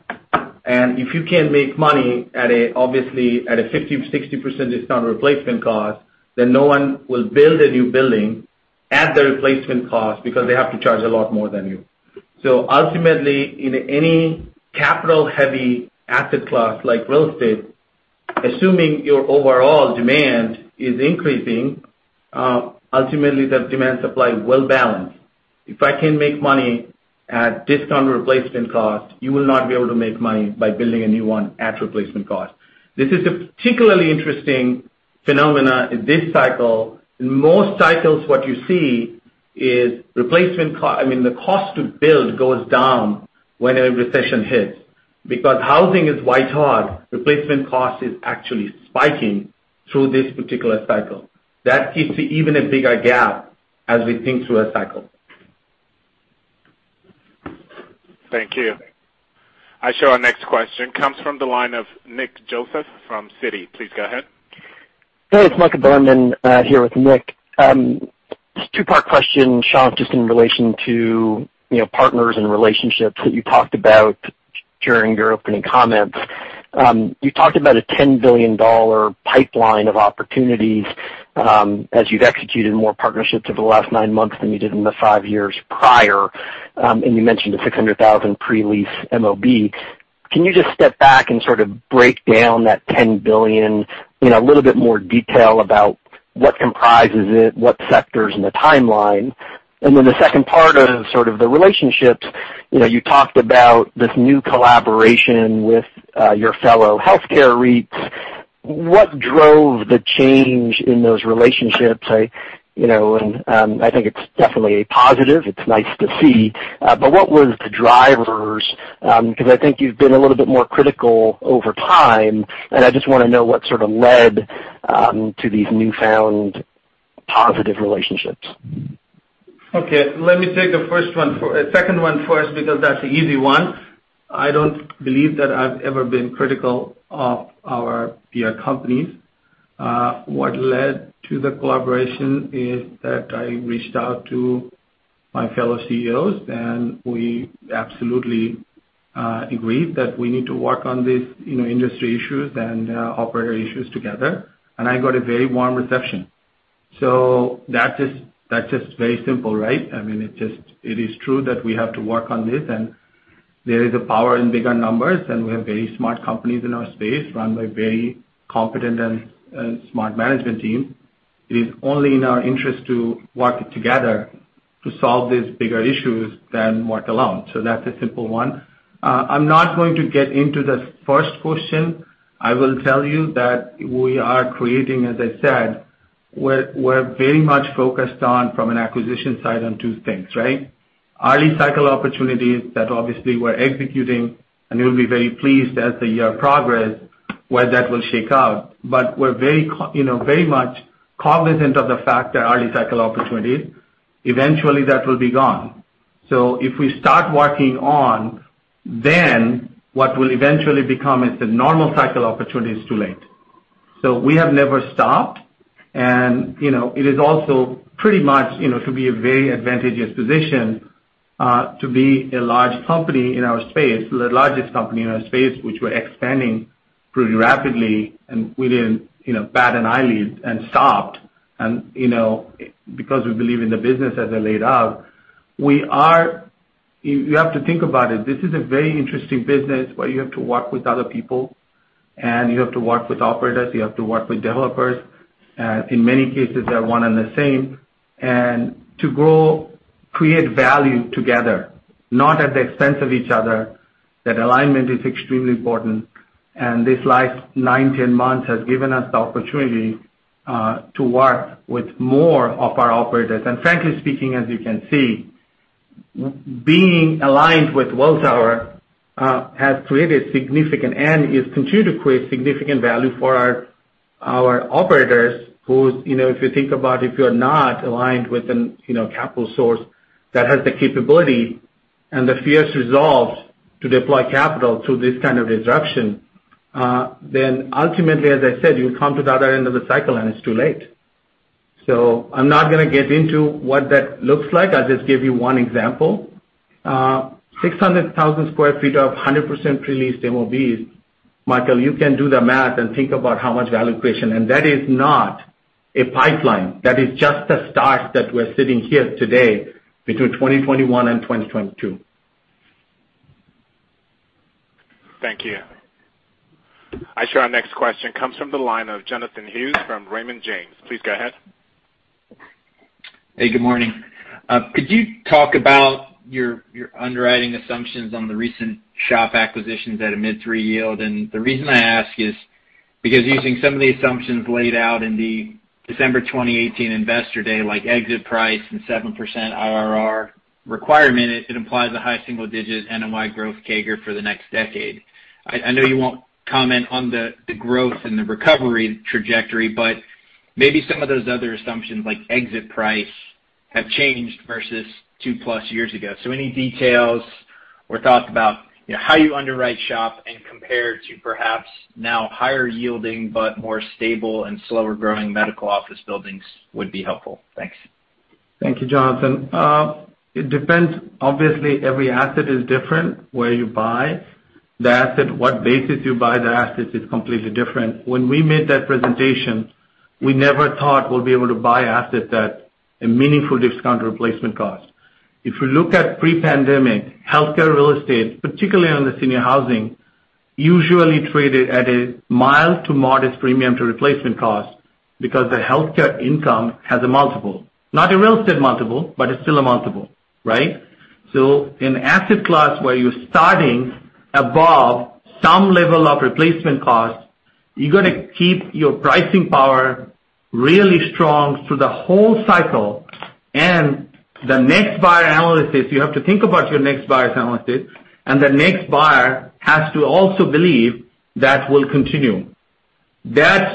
If you can't make money obviously at a 50% or 60% discount replacement cost, no one will build a new building at the replacement cost because they have to charge a lot more than you. Ultimately, in any capital-heavy asset class like real estate, assuming your overall demand is increasing, ultimately the demand supply will balance. If I can make money at discount replacement cost, you will not be able to make money by building a new one at replacement cost. This is a particularly interesting phenomenon in this cycle. In most cycles, what you see is, I mean, the cost to build goes down when a recession hits. Because housing is white hot, replacement cost is actually spiking through this particular cycle. That gives you even a bigger gap as we think through a cycle. Thank you. I show our next question comes from the line of Nick Joseph from Citi. Please go ahead. Hey, it's Michael Bilerman, here with Nick. Two-part question, Shankh, just in relation to partners and relationships that you talked about during your opening comments. You talked about a $10 billion pipeline of opportunities, as you've executed more partnerships over the last nine months than you did in the five years prior, and you mentioned the 600,000 pre-lease MOB. Can you just step back and sort of break down that $10 billion in a little bit more detail about what comprises it, what sectors, and the timeline? The second part is sort of the relationships. You talked about this new collaboration with your fellow healthcare REITs. What drove the change in those relationships? I think it's definitely a positive. It's nice to see. What was the drivers? I think you've been a little bit more critical over time, and I just want to know what sort of led to these newfound positive relationships. Okay. Let me take the second one first because that's the easy one. I don't believe that I've ever been critical of our peer companies. What led to the collaboration is that I reached out to my fellow CEOs, we absolutely agreed that we need to work on these industry issues and operator issues together. I got a very warm reception. That's just very simple, right? I mean, it is true that we have to work on this, there is a power in bigger numbers, we have very smart companies in our space run by very competent and smart management teams. It is only in our interest to work together to solve these bigger issues than work alone. That's a simple one. I'm not going to get into the first question. I will tell you that we are creating, as I said, we're very much focused on, from an acquisition side, on two things, right? Early cycle opportunities that obviously we're executing, you'll be very pleased as the year progress where that will shake out. We're very much cognizant of the fact that early cycle opportunities, eventually that will be gone. If we start working on, then what will eventually become is the normal cycle opportunity is too late. We have never stopped. It is also pretty much to be a very advantageous position to be a large company in our space, the largest company in our space, which we're expanding pretty rapidly, and we didn't bat an eyelid and stopped, because we believe in the business as I laid out. You have to think about it. This is a very interesting business where you have to work with other people, you have to work with operators, you have to work with developers. In many cases they are one and the same. To grow, create value together, not at the expense of each other, that alignment is extremely important. This last nine, 10 months has given us the opportunity to work with more of our operators. Frankly speaking, as you can see, being aligned with Welltower has created significant, and is continued to create significant value for our operators, who, if you think about if you're not aligned with a capital source that has the capability and the fierce resolve to deploy capital through this kind of disruption, then ultimately, as I said, you'll come to the other end of the cycle and it's too late. I'm not going to get into what that looks like. I'll just give you one example. 600,000 sq ft of 100% pre-leased MOBs. Michael, you can do the math and think about how much value creation. That is not a pipeline. That is just the start that we're sitting here today between 2021 and 2022. Thank you. Our next question comes from the line of Jonathan Hughes from Raymond James. Please go ahead. Hey, good morning. Could you talk about your underwriting assumptions on the recent SHOP acquisitions at a mid three yield? The reason I ask is because using some of the assumptions laid out in the December 2018 investor day, like exit price and 7% IRR requirement, it implies a high single digit NOI growth CAGR for the next decade. I know you won't comment on the growth and the recovery trajectory, but maybe some of those other assumptions, like exit price, have changed versus two plus years ago. Any details or thoughts about how you underwrite SHOP and compare to perhaps now higher yielding but more stable and slower growing medical office buildings would be helpful. Thanks. Thank you, Jonathan. It depends. Obviously, every asset is different. Where you buy the asset, what basis you buy the asset is completely different. When we made that presentation, we never thought we'll be able to buy assets at a meaningful discount replacement cost. If you look at pre-pandemic, healthcare real estate, particularly on the senior housing, usually traded at a mild to modest premium to replacement cost because the healthcare income has a multiple. Not a real estate multiple, but it's still a multiple. Right? In asset class where you're starting above some level of replacement cost, you're going to keep your pricing power really strong through the whole cycle and the next buyer analysis, you have to think about your next buyer's analysis, and the next buyer has to also believe that will continue. That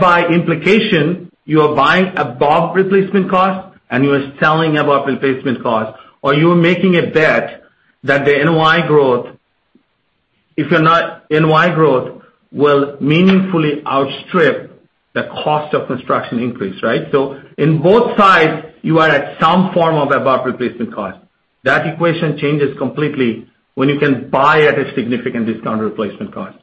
by implication, you are buying above replacement cost and you are selling above replacement cost, or you are making a bet that the NOI growth will meaningfully outstrip the cost of construction increase, right? In both sides, you are at some form of above replacement cost. That equation changes completely when you can buy at a significant discount replacement cost.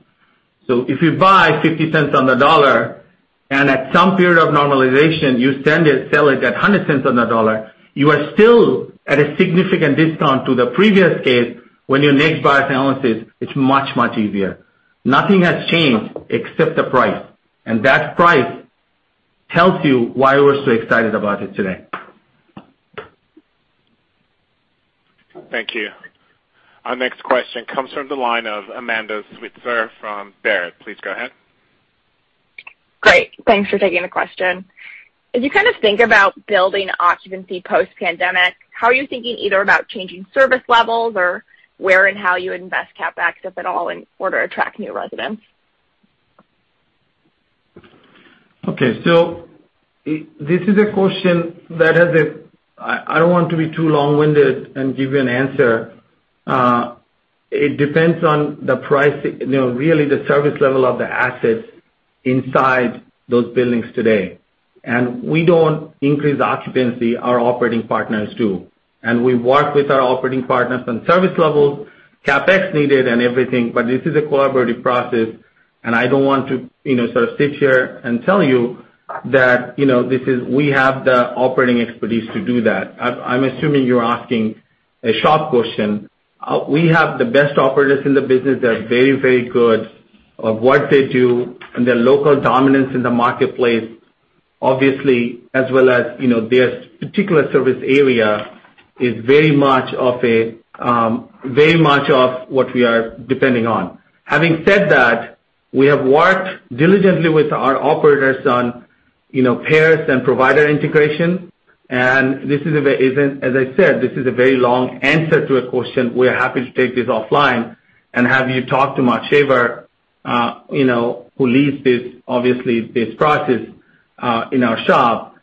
If you buy $0.50 on the dollar, and at some period of normalization, you sell it at $1.00 on the dollar, you are still at a significant discount to the previous case when your next buyer's analysis is much, much easier. Nothing has changed except the price, and that price tells you why we're so excited about it today. Thank you. Our next question comes from the line of Amanda Sweitzer from Baird. Please go ahead. Great. Thanks for taking the question. As you kind of think about building occupancy post-pandemic, how are you thinking either about changing service levels or where and how you invest CapEx, if at all, in order to attract new residents? Okay, this is a question that I don't want to be too long-winded and give you an answer. It depends on the price, really the service level of the assets inside those buildings today. We don't increase occupancy, our operating partners do. We work with our operating partners on service levels, CapEx needed, and everything, but this is a collaborative process, and I don't want to sort of sit here and tell you that we have the operating expertise to do that. I'm assuming you're asking a SHOP question. We have the best operators in the business. They are very good of what they do and their local dominance in the marketplace, obviously, as well as their particular service area is very much of what we are depending on. Having said that, we have worked diligently with our operators on payers and provider integration. As I said, this is a very long answer to a question. We are happy to take this offline and have you talk to Machewer, who leads this, obviously, this process in our shop.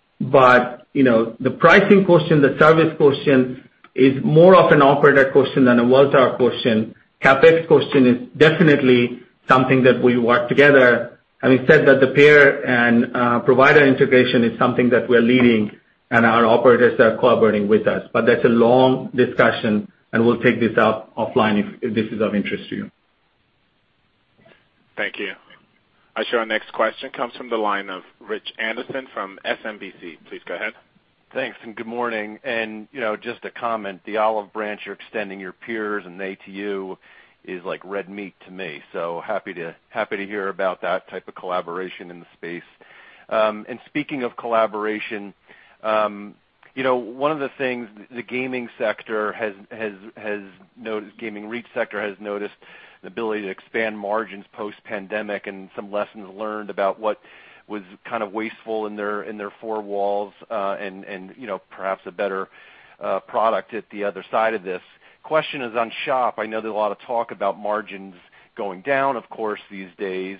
The pricing question, the service question is more of an operator question than a Welltower question. CapEx question is definitely something that we work together. Having said that, the payer and provider integration is something that we're leading, and our operators are cooperating with us. That's a long discussion, and we'll take this up offline if this is of interest to you. Thank you. I show our next question comes from the line of Rich Anderson from SMBC. Please go ahead. Thanks. Good morning. Just a comment, the olive branch you're extending your peers and they to you is like red meat to me. Happy to hear about that type of collaboration in the space. Speaking of collaboration, one of the things the gaming REIT sector has noticed an ability to expand margins post-pandemic and some lessons learned about what was kind of wasteful in their four walls, and perhaps a better product at the other side of this. Question is on SHOP. I know there's a lot of talk about margins going down, of course, these days.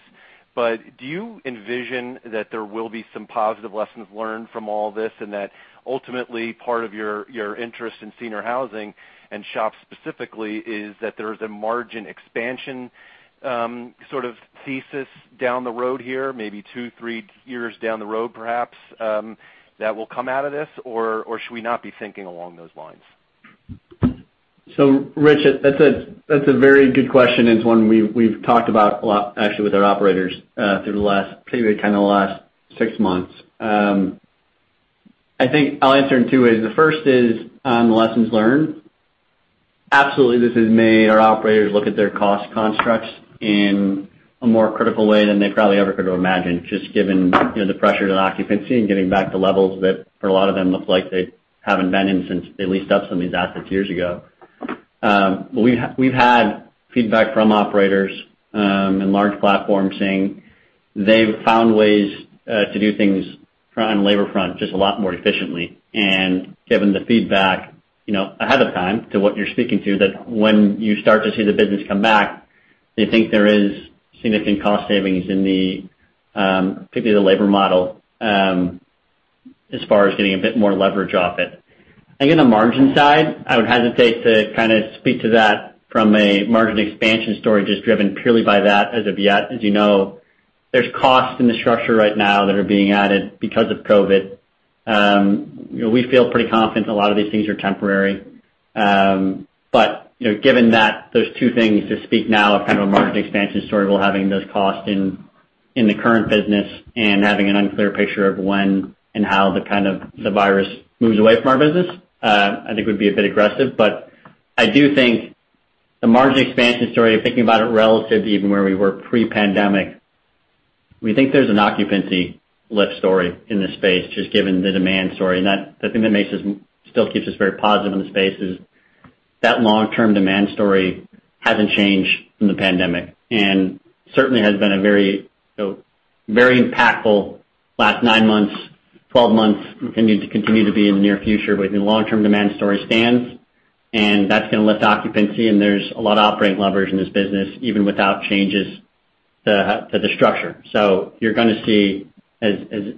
Do you envision that there will be some positive lessons learned from all this, and that ultimately part of your interest in senior housing and SHOP specifically is that there's a margin expansion sort of thesis down the road here, maybe two, three years down the road, perhaps, that will come out of this? Or should we not be thinking along those lines? Rich, that's a very good question. It's one we've talked about a lot, actually, with our operators through the last, probably kind of the last six months. I think I'll answer in two ways. The first is on the lessons learned. Absolutely, this has made our operators look at their cost constructs in a more critical way than they probably ever could've imagined, just given the pressure to the occupancy and getting back to levels that for a lot of them look like they haven't been in since they leased up some of these assets years ago. We've had feedback from operators and large platforms saying they've found ways to do things on labor front just a lot more efficiently. Given the feedback ahead of time to what you're speaking to, that when you start to see the business come back, they think there is significant cost savings in the, particularly the labor model, as far as getting a bit more leverage off it. I think on the margin side, I would hesitate to kind of speak to that from a margin expansion story just driven purely by that as of yet. As you know, there's costs in the structure right now that are being added because of COVID. We feel pretty confident a lot of these things are temporary. Given that those two things to speak now are kind of a margin expansion story while having those costs in the current business and having an unclear picture of when and how the kind of the virus moves away from our business, I think would be a bit aggressive. I do think the margin expansion story, thinking about it relative to even where we were pre-pandemic, we think there's an occupancy lift story in this space, just given the demand story. The thing that still keeps us very positive in the space is that long-term demand story hasn't changed from the pandemic. Certainly has been a very impactful last nine months, 12 months, and continue to be in the near future. The long-term demand story stands, and that's going to lift occupancy, and there's a lot of operating leverage in this business, even without changes to the structure. You're going to see as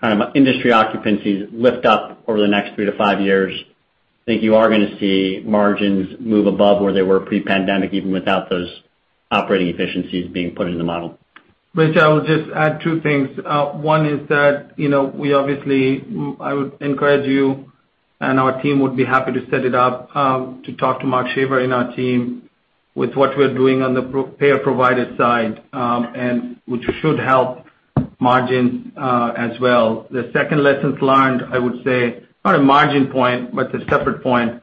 kind of industry occupancies lift up over the next three years or five years, I think you are going to see margins move above where they were pre-pandemic, even without those operating efficiencies being put in the model. Rich, I will just add two things. One is that I would encourage you, and our team would be happy to set it up, to talk to Mark Shaver in our team with what we're doing on the payer provider side, which should help margins as well. The second lessons learned, I would say, not a margin point, but a separate point,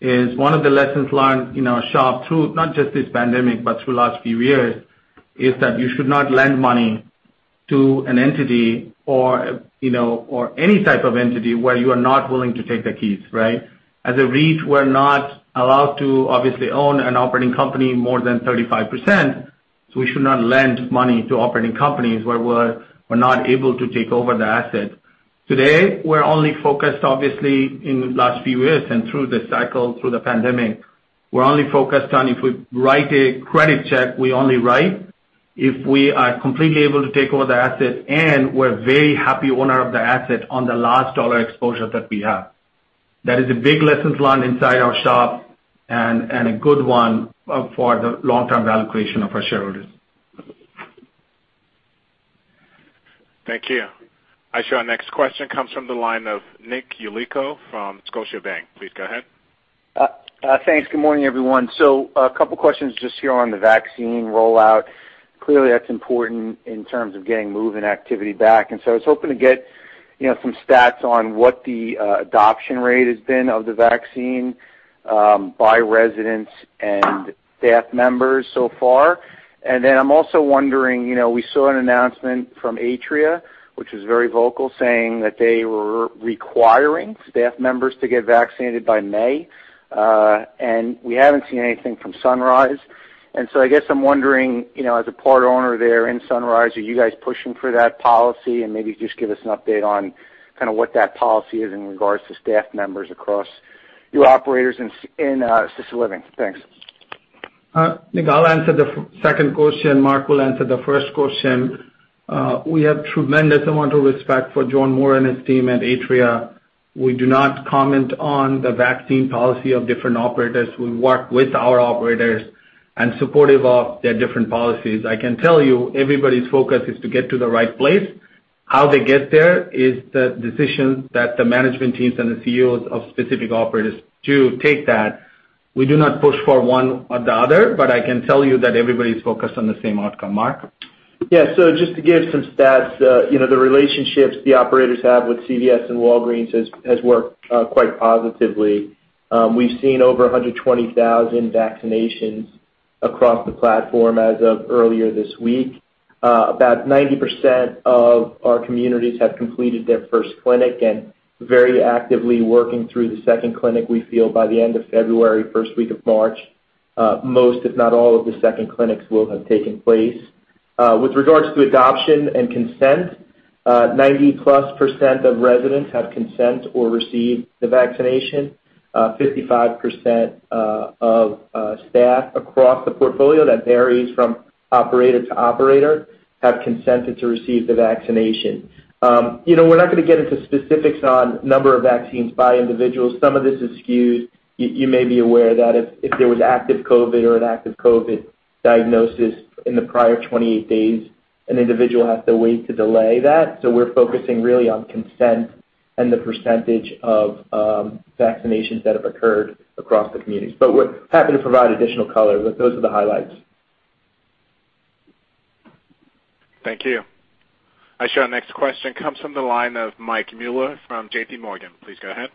is one of the lessons learned in our SHOP through not just this pandemic, but through last few years, is that you should not lend money to an entity or any type of entity where you are not willing to take the keys, right? As a REIT, we're not allowed to obviously own an operating company more than 35%, we should not lend money to operating companies where we're not able to take over the asset. Today, we're only focused, obviously, in the last few years and through this cycle, through the pandemic, we're only focused on if we write a credit check, we only write if we are completely able to take over the asset, and we're very happy owner of the asset on the last dollar exposure that we have. That is a big lessons learned inside our SHOP and a good one for the long-term value creation of our shareholders. Thank you. I show our next question comes from the line of Nick Yulico from Scotiabank. Please go ahead. Thanks. Good morning, everyone. A couple of questions just here on the vaccine rollout. Clearly, that's important in terms of getting moving activity back. I was hoping to get some stats on what the adoption rate has been of the vaccine by residents and staff members so far. I'm also wondering, we saw an announcement from Atria, which was very vocal, saying that they were requiring staff members to get vaccinated by May. We haven't seen anything from Sunrise. I guess I'm wondering, as a part owner there in Sunrise, are you guys pushing for that policy? Maybe just give us an update on kind of what that policy is in regards to staff members across your operators in Assisted Living. Thanks. I think I'll answer the second question. Mark will answer the first question. We have tremendous amount of respect for John Moore and his team at Atria. We do not comment on the vaccine policy of different operators. We work with our operators and supportive of their different policies. I can tell you everybody's focus is to get to the right place. How they get there is the decision that the management teams and the CEOs of specific operators to take that. We do not push for one or the other. I can tell you that everybody's focused on the same outcome. Mark? Just to give some stats, the relationships the operators have with CVS and Walgreens has worked quite positively. We've seen over 120,000 vaccinations across the platform as of earlier this week. About 90% of our communities have completed their first clinic and very actively working through the second clinic. We feel by the end of February, first week of March, most, if not all, of the second clinics will have taken place. With regards to adoption and consent, 90%+ of residents have consent or received the vaccination. 55% of staff across the portfolio, that varies from operator to operator, have consented to receive the vaccination. We're not going to get into specifics on number of vaccines by individuals. Some of this is skewed. You may be aware that if there was active COVID or an active COVID diagnosis in the prior 28 days, an individual has to wait to delay that. We're focusing really on consent and the percentage of vaccinations that have occurred across the communities. We're happy to provide additional color, but those are the highlights. Thank you. Our next question comes from the line of Michael Mueller from J.P. Morgan. Please go ahead.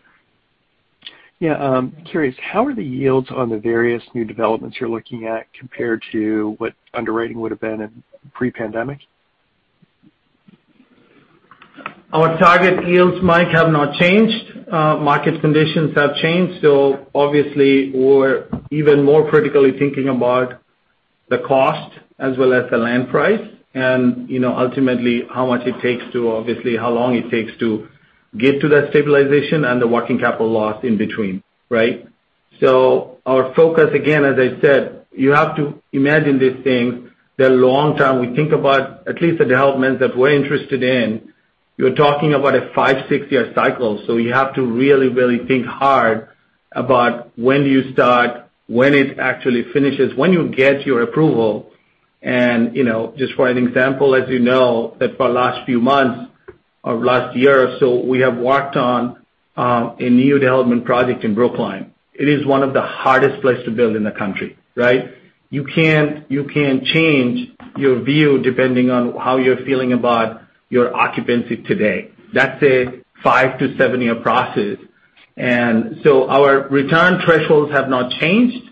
Yeah. Curious, how are the yields on the various new developments you're looking at compared to what underwriting would've been in pre-pandemic? Our target yields, Mike, have not changed. Market conditions have changed. Obviously, we're even more critically thinking about the cost as well as the land price, and ultimately how long it takes to get to that stabilization and the working capital loss in between, right? Our focus, again, as I said, you have to imagine these things, they're long-term. We think about at least the developments that we're interested in, you're talking about a five, six-year cycle. You have to really think hard about when do you start, when it actually finishes, when you get your approval. Just for an example, as you know, that for last few months or last year or so, we have worked on a new development project in Brookline. It is one of the hardest place to build in the country, right? You can change your view depending on how you're feeling about your occupancy today. That's a five to seven-year process. Our return thresholds have not changed.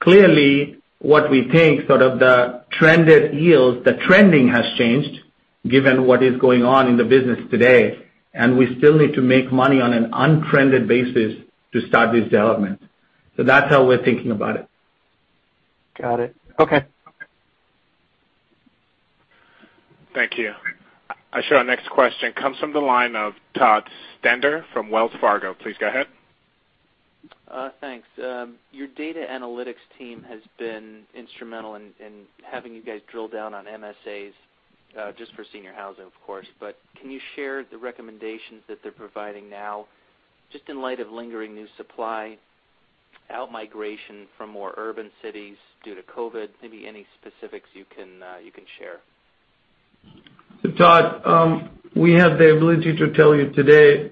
Clearly, what we think, sort of the trended yields, the trending has changed given what is going on in the business today, and we still need to make money on an untrended basis to start these developments. That's how we're thinking about it. Got it. Okay. Thank you. Our next question comes from the line of Todd Stender from Wells Fargo. Please go ahead. Thanks. Your data analytics team has been instrumental in having you guys drill down on MSAs, just for senior housing, of course. Can you share the recommendations that they're providing now, just in light of lingering new supply, out-migration from more urban cities due to COVID? Maybe any specifics you can share. Todd, we have the ability to tell you today.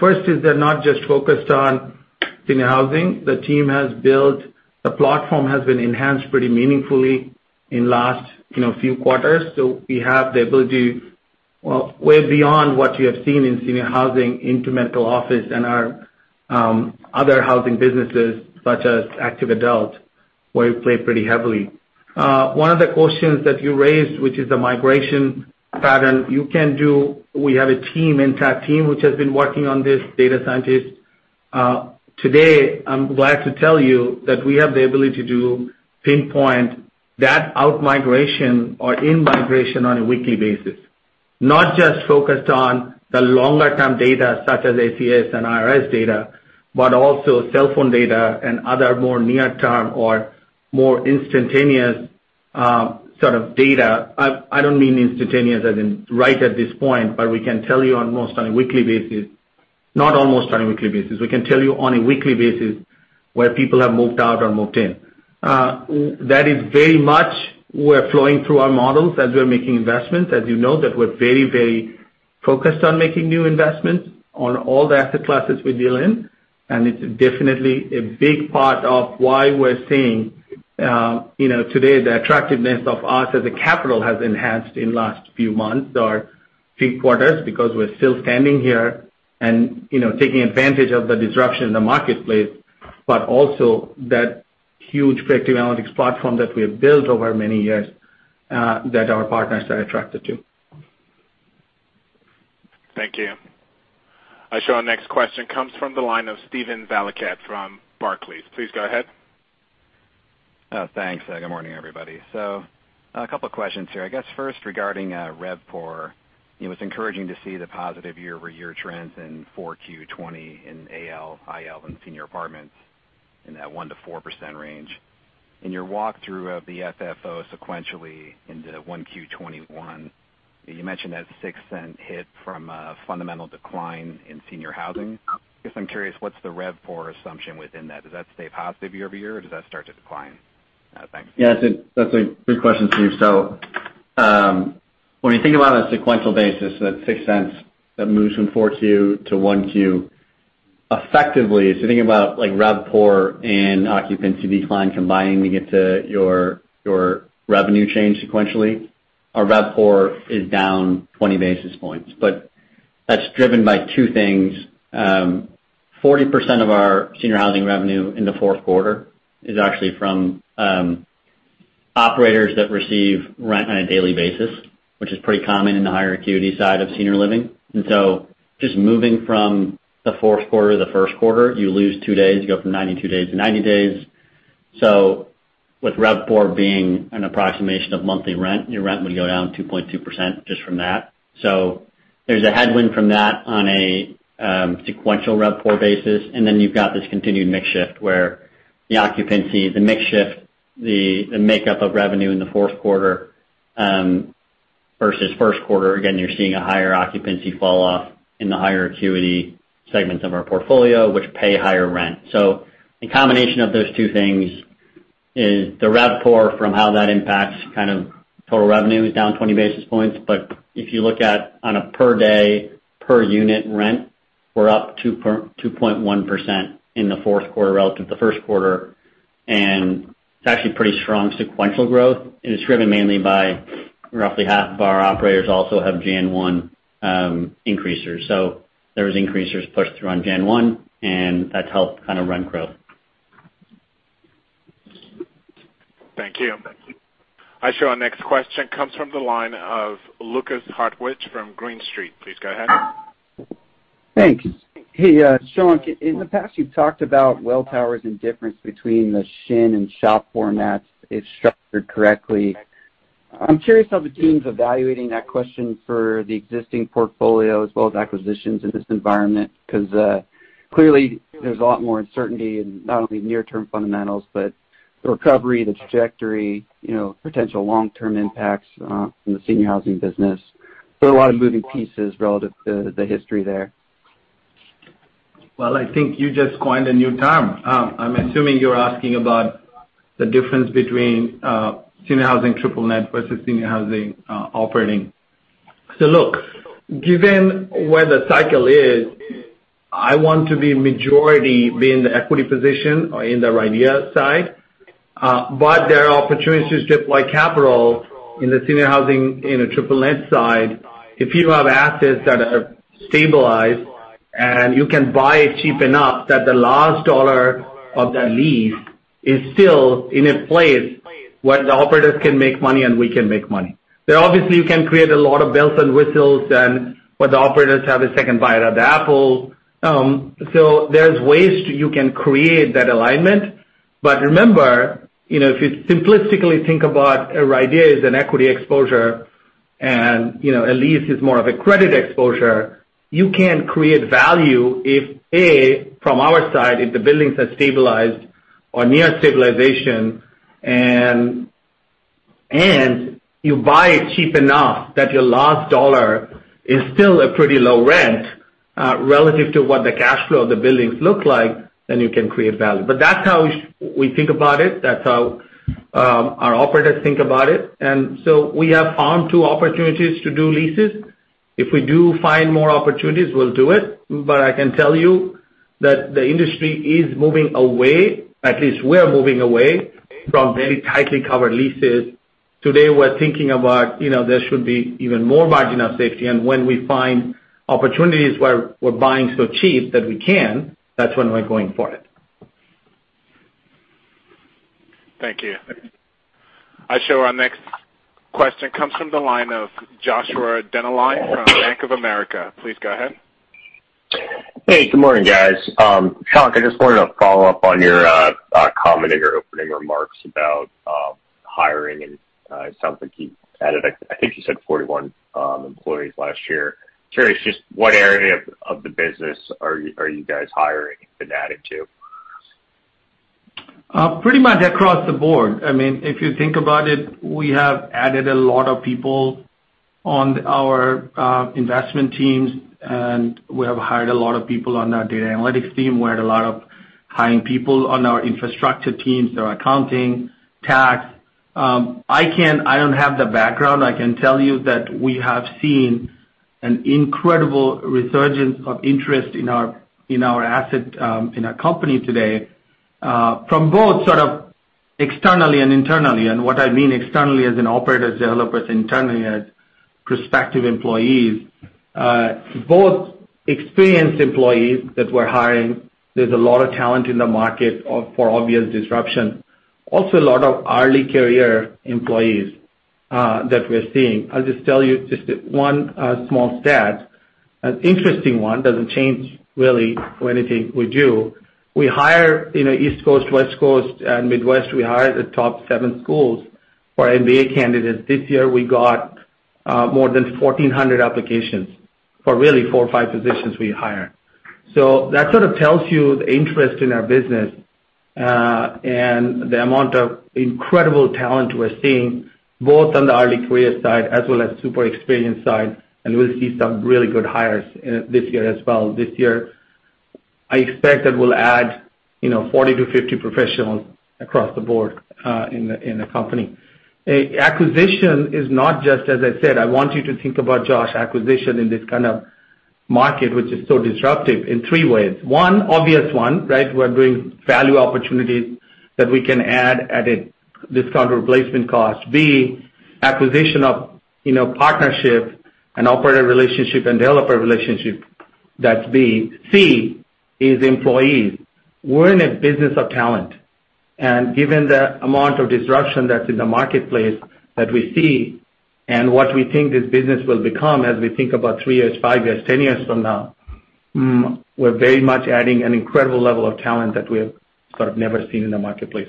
First is they're not just focused on senior housing. The platform has been enhanced pretty meaningfully in last few quarters. We have the ability way beyond what you have seen in senior housing into medical office and our other housing businesses, such as active adult, where we play pretty heavily. One of the questions that you raised, which is the migration pattern, We have a team, entire team, which has been working on this, data scientists. Today, I'm glad to tell you that we have the ability to pinpoint that out-migration or in-migration on a weekly basis. Not just focused on the longer-term data such as ACS and IRS data, but also cell phone data and other more near-term or more instantaneous sort of data. I don't mean instantaneous as in right at this point, but we can tell you on a weekly basis where people have moved out or moved in. That is very much we're flowing through our models as we're making investments. As you know, that we're very focused on making new investments on all the asset classes we deal in. It's definitely a big part of why we're seeing today the attractiveness of us as a capital has enhanced in last few months or few quarters because we're still standing here and taking advantage of the disruption in the marketplace, but also that huge predictive analytics platform that we have built over many years, that our partners are attracted to. Thank you. Our next question comes from the line of Steven Valiquette from Barclays. Please go ahead. Thanks. Good morning, everybody. A couple of questions here. I guess first, regarding RevPAR. It was encouraging to see the positive year-over-year trends in 4Q 2020 in AL, IL, and senior apartments in that 1%-4% range. In your walkthrough of the FFO sequentially into 1Q 2021, you mentioned that $0.06 hit from a fundamental decline in senior housing. I guess I'm curious, what's the RevPAR assumption within that? Does that stay positive year-over-year, or does that start to decline? Thanks. Yeah, that's a great question, Steve. When you think about it on a sequential basis, that $0.06 that moves from 4Q to 1Q, effectively, so think about RevPAR and occupancy decline combining to get to your revenue change sequentially. Our RevPAR is down 20 basis points. That's driven by two things. 40% of our senior housing revenue in the fourth quarter is actually from operators that receive rent on a daily basis, which is pretty common in the higher acuity side of senior living. Just moving from the fourth quarter to the first quarter, you lose two days. You go from 92 days to 90 days. With RevPAR being an approximation of monthly rent, your rent would go down 2.2% just from that. There's a headwind from that on a sequential RevPAR basis. You've got this continued mix shift where the occupancy, the mix shift, the makeup of revenue in the fourth quarter versus first quarter, again, you're seeing a higher occupancy fall off in the higher acuity segments of our portfolio, which pay higher rent. The combination of those two things is the RevPAR from how that impacts total revenue is down 20 basis points. If you look at on a per day, per unit rent, we're up 2.1% in the fourth quarter relative to the first quarter. It's actually pretty strong sequential growth. It's driven mainly by roughly half of our operators also have Jan 1 increasers. There was increasers pushed through on Jan 1. That's helped rent grow. Thank you. I show our next question comes from the line of Lukas Hartwich from Green Street. Please go ahead. Thanks. Hey, Shankh. In the past, you've talked about Welltower's indifference between the SH NNN and SHOP formats if structured correctly. I'm curious how the team's evaluating that question for the existing portfolio as well as acquisitions in this environment. Clearly there's a lot more uncertainty in not only near-term fundamentals, but the recovery, the trajectory, potential long-term impacts from the senior housing business. There are a lot of moving pieces relative to the history there. I think you just coined a new term. I'm assuming you're asking about the difference between senior housing triple-net versus senior housing operating. Look, given where the cycle is, I want to be majority be in the equity position or in the REIT side. There are opportunities to deploy capital in the senior housing in a triple-net side if you have assets that are stabilized and you can buy it cheap enough that the last dollar of that lease is still in a place where the operators can make money and we can make money. Obviously, you can create a lot of bells and whistles and where the operators have a second bite at the apple. There's ways you can create that alignment. Remember, if you simplistically think about a REIT is an equity exposure and a lease is more of a credit exposure, you can create value if, A, from our side, if the buildings are stabilized or near stabilization and you buy it cheap enough that your last dollar is still a pretty low rent relative to what the cash flow of the buildings look like, then you can create value. That's how we think about it. That's how our operators think about it. We have found two opportunities to do leases. If we do find more opportunities, we'll do it. I can tell you that the industry is moving away, at least we're moving away from very tightly covered leases. Today we're thinking about there should be even more margin of safety, and when we find opportunities where we're buying so cheap that we can, that's when we're going for it. Thank you. I show our next question comes from the line of Joshua Dennerlein from Bank of America. Please go ahead. Hey, good morning, guys. Shankh, I just wanted to follow up on your comment in your opening remarks about hiring and something you added. I think you said 41 employees last year. Curious just what area of the business are you guys hiring and adding to? Pretty much across the board. If you think about it, we have added a lot of people on our investment teams, we have hired a lot of people on our data analytics team. We hired a lot of hiring people on our infrastructure teams, our accounting, tax. I don't have the background. I can tell you that we have seen an incredible resurgence of interest in our company today from both sort of externally and internally. What I mean externally as in operators, developers, internally as prospective employees. Both experienced employees that we're hiring. There's a lot of talent in the market for obvious disruption. Also, a lot of early career employees that we're seeing. I'll just tell you just one small stat An interesting one, doesn't change really or anything we do. East Coast, West Coast, and Midwest, we hire the top seven schools for MBA candidates. This year, we got more than 1,400 applications for really four or five positions we hire. That sort of tells you the interest in our business, and the amount of incredible talent we're seeing, both on the early career side as well as super experienced side, and we'll see some really good hires this year as well. This year, I expect that we'll add 40-50 professionals across the board in the company. Acquisition is not just, as I said, I want you to think about, Joshua, acquisition in this kind of market, which is so disruptive in three ways. One obvious one, right? We're doing value opportunities that we can add at a discount replacement cost. B, acquisition of partnership and operator relationship and developer relationship. That's B. C is employees. We're in a business of talent. Given the amount of disruption that's in the marketplace that we see and what we think this business will become as we think about three years, five years, 10 years from now, we're very much adding an incredible level of talent that we have sort of never seen in the marketplace.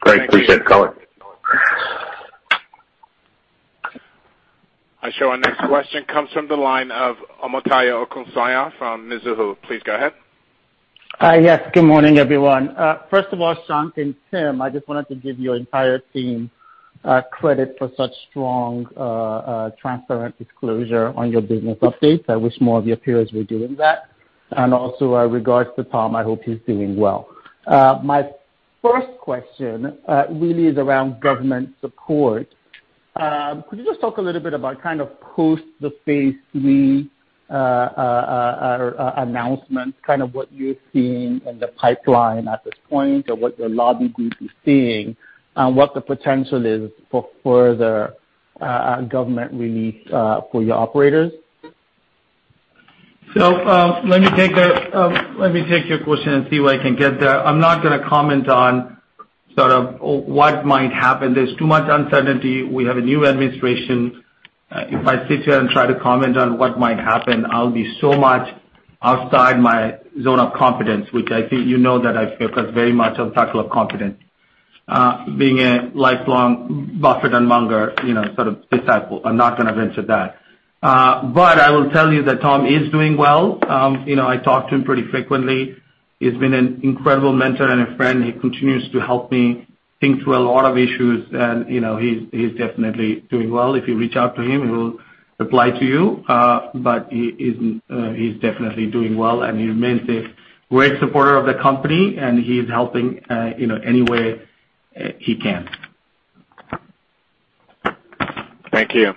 Great. Appreciate the color. Hi, sure. Our next question comes from the line of Omotayo Okusanya from Mizuho. Please go ahead. Yes. Good morning, everyone. First of all, Shankh and Tim, I just wanted to give your entire team credit for such strong, transparent disclosure on your business updates. I wish more of your peers were doing that. Also, regards to Tom. I hope he's doing well. My first question really is around government support. Could you just talk a little bit about kind of post the phase 3 announcements, kind of what you're seeing in the pipeline at this point, or what your lobby group is seeing, and what the potential is for further government relief for your operators? Let me take your question and see where I can get there. I'm not gonna comment on sort of what might happen. There's too much uncertainty. We have a new administration. If I sit here and try to comment on what might happen, I'll be so much outside my zone of confidence, which I think you know that I focus very much on circle of confidence. Being a lifelong Buffett and Munger sort of disciple, I'm not gonna venture that. But I will tell you that Tom is doing well. I talk to him pretty frequently. He's been an incredible mentor and a friend, and he continues to help me think through a lot of issues, and he's definitely doing well. If you reach out to him, he will reply to you. He's definitely doing well, and he remains a great supporter of the company, and he's helping any way he can. Thank you.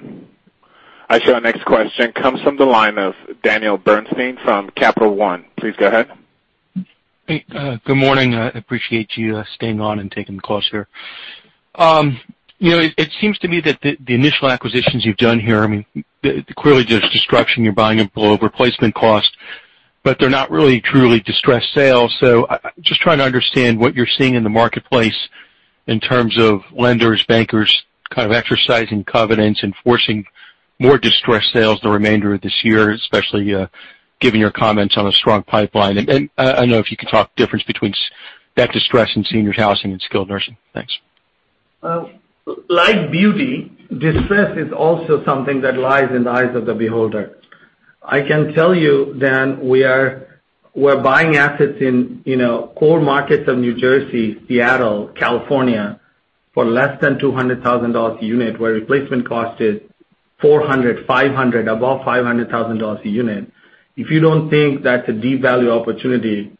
Our next question comes from the line of Daniel Bernstein from Capital One. Please go ahead. Hey, good morning. I appreciate you staying on and taking the call, sir. It seems to me that the initial acquisitions you've done here, clearly there's disruption. You're buying them below replacement cost, but they're not really truly distressed sales. Just trying to understand what you're seeing in the marketplace in terms of lenders, bankers kind of exercising covenants, enforcing more distressed sales the remainder of this year, especially given your comments on a strong pipeline. I don't know if you could talk difference between that distress in seniors housing and skilled nursing. Thanks. Like beauty, distress is also something that lies in the eyes of the beholder. I can tell you, we're buying assets in core markets of New Jersey, Seattle, California for less than $200,000 a unit, where replacement cost is $400,000, $500,000, above $500,000 a unit. If you don't think that's a deep value opportunity,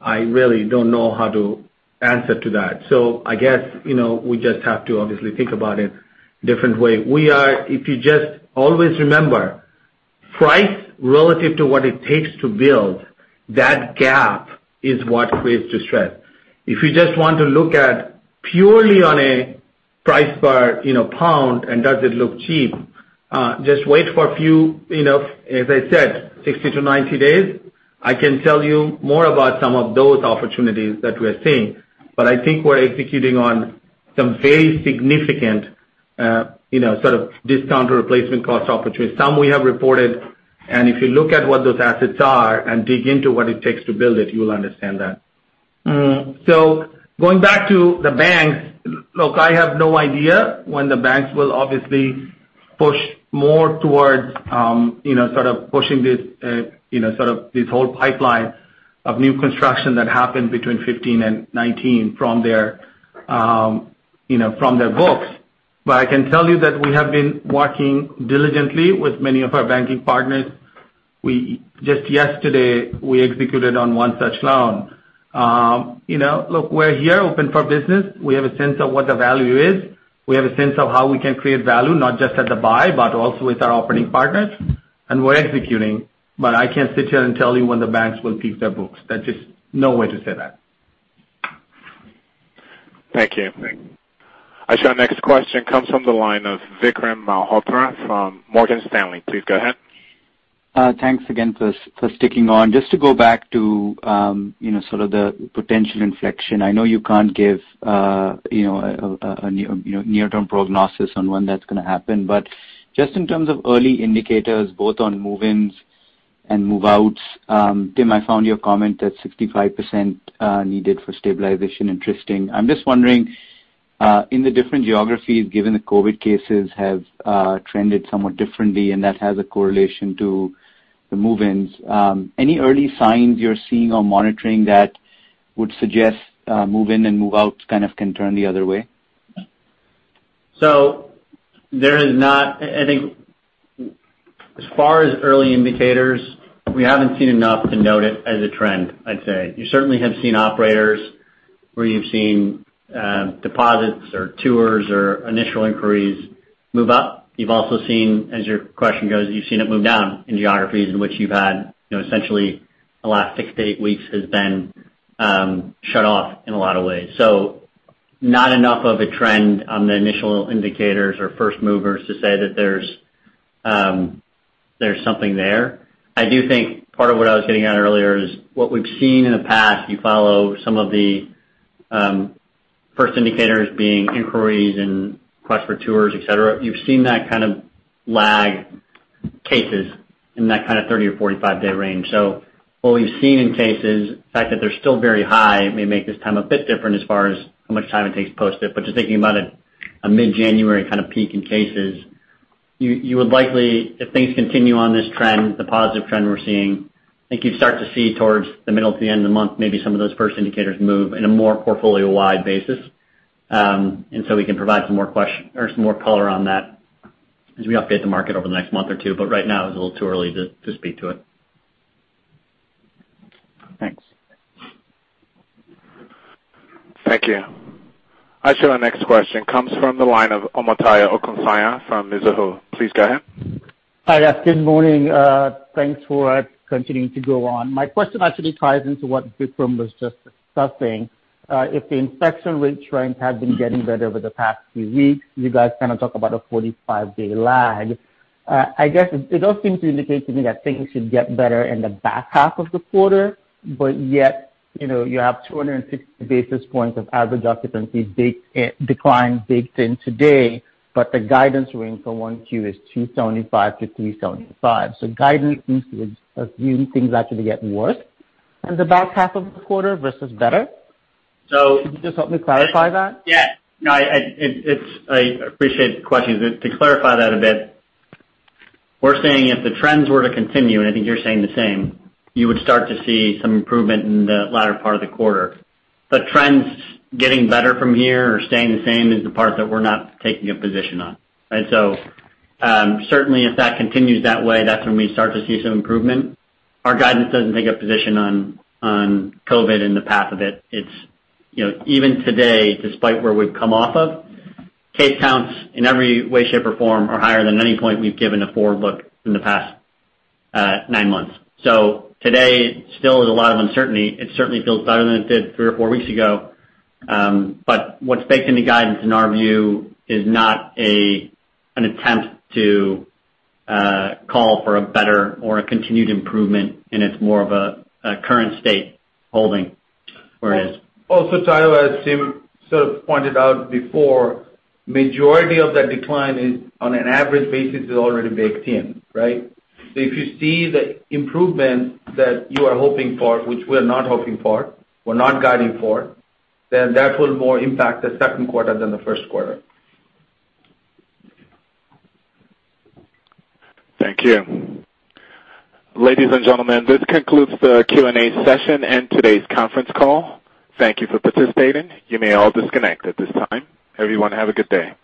I really don't know how to answer to that. I guess, we just have to obviously think about it different way. If you just always remember, price relative to what it takes to build, that gap is what creates distress. If you just want to look at purely on a price per pound and does it look cheap, just wait for a few, as I said, 60-90 days. I can tell you more about some of those opportunities that we're seeing. I think we're executing on some very significant sort of discount to replacement cost opportunities. Some we have reported, and if you look at what those assets are and dig into what it takes to build it, you will understand that. Going back to the banks, look, I have no idea when the banks will obviously push more towards sort of pushing this whole pipeline of new construction that happened between 2015 and 2019 from their books. I can tell you that we have been working diligently with many of our banking partners. Just yesterday, we executed on one such loan. Look, we're here open for business. We have a sense of what the value is. We have a sense of how we can create value, not just at the buy, but also with our operating partners, and we're executing. I can't sit here and tell you when the banks will peak their books. There's just no way to say that. Thank you. Our next question comes from the line of Vikram Malhotra from Morgan Stanley. Please go ahead. Thanks again for sticking on. Just to go back to the potential inflection. I know you can't give a near-term prognosis on when that's going to happen, but just in terms of early indicators, both on move-ins and move-outs. Tim, I found your comment that 65% needed for stabilization interesting. I'm just wondering, in the different geographies, given the COVID cases have trended somewhat differently and that has a correlation to the move-ins, any early signs you're seeing or monitoring that would suggest move-in and move-out kind of can turn the other way? There is not I think as far as early indicators, we haven't seen enough to note it as a trend, I'd say. You certainly have seen operators where you've seen deposits or tours or initial inquiries move up. You've also seen, as your question goes, you've seen it move down in geographies in which you've had essentially the last six to eight weeks has been shut off in a lot of ways. Not enough of a trend on the initial indicators or first movers to say that there's something there. I do think part of what I was getting at earlier is what we've seen in the past, you follow some of the first indicators being inquiries and quest for tours, et cetera. You've seen that kind of lag cases in that kind of 30 or 45-day range. What we've seen in cases, the fact that they're still very high, may make this time a bit different as far as how much time it takes post it. Just thinking about a mid-January kind of peak in cases, you would likely, if things continue on this trend, the positive trend we're seeing, I think you'd start to see towards the middle to the end of the month, maybe some of those first indicators move in a more portfolio-wide basis. We can provide some more color on that as we update the market over the next month or two. Right now, it's a little too early to speak to it. Thanks. Thank you. Our next question comes from the line of Omotayo Okusanya from Mizuho. Please go ahead. Hi, guys. Good morning. Thanks for continuing to go on. My question actually ties into what Vikram was just discussing. If the infection rate trend has been getting better over the past few weeks, you guys kind of talk about a 45-day lag. I guess it does seem to indicate to me that things should get better in the back half of the quarter, but yet, you have 250 basis points of average occupancy decline baked in today, but the guidance range for 1Q is 275 basis points-375 basis points. Guidance seems to assume things actually get worse in the back half of the quarter versus better. So. Can you just help me clarify that? Yeah, I appreciate the question. To clarify that a bit, we're saying if the trends were to continue, and I think you're saying the same, you would start to see some improvement in the latter part of the quarter. Trends getting better from here or staying the same is the part that we're not taking a position on. Certainly if that continues that way, that's when we start to see some improvement. Our guidance doesn't take a position on COVID and the path of it. Even today, despite where we've come off of, case counts in every way, shape, or form are higher than any point we've given a forward look in the past nine months. Today still is a lot of uncertainty. It certainly feels better than it did three or four weeks ago. What's baked into guidance, in our view, is not an attempt to call for a better or a continued improvement, and it's more of a current state holding where it is. Also, Tayo, as Tim sort of pointed out before, majority of that decline is on an average basis, is already baked in. Right? If you see the improvement that you are hoping for, which we're not hoping for, we're not guiding for, then that will more impact the second quarter than the first quarter. Thank you. Ladies and gentlemen, this concludes the Q&A session and today's conference call. Thank you for participating. You may all disconnect at this time. Everyone have a good day.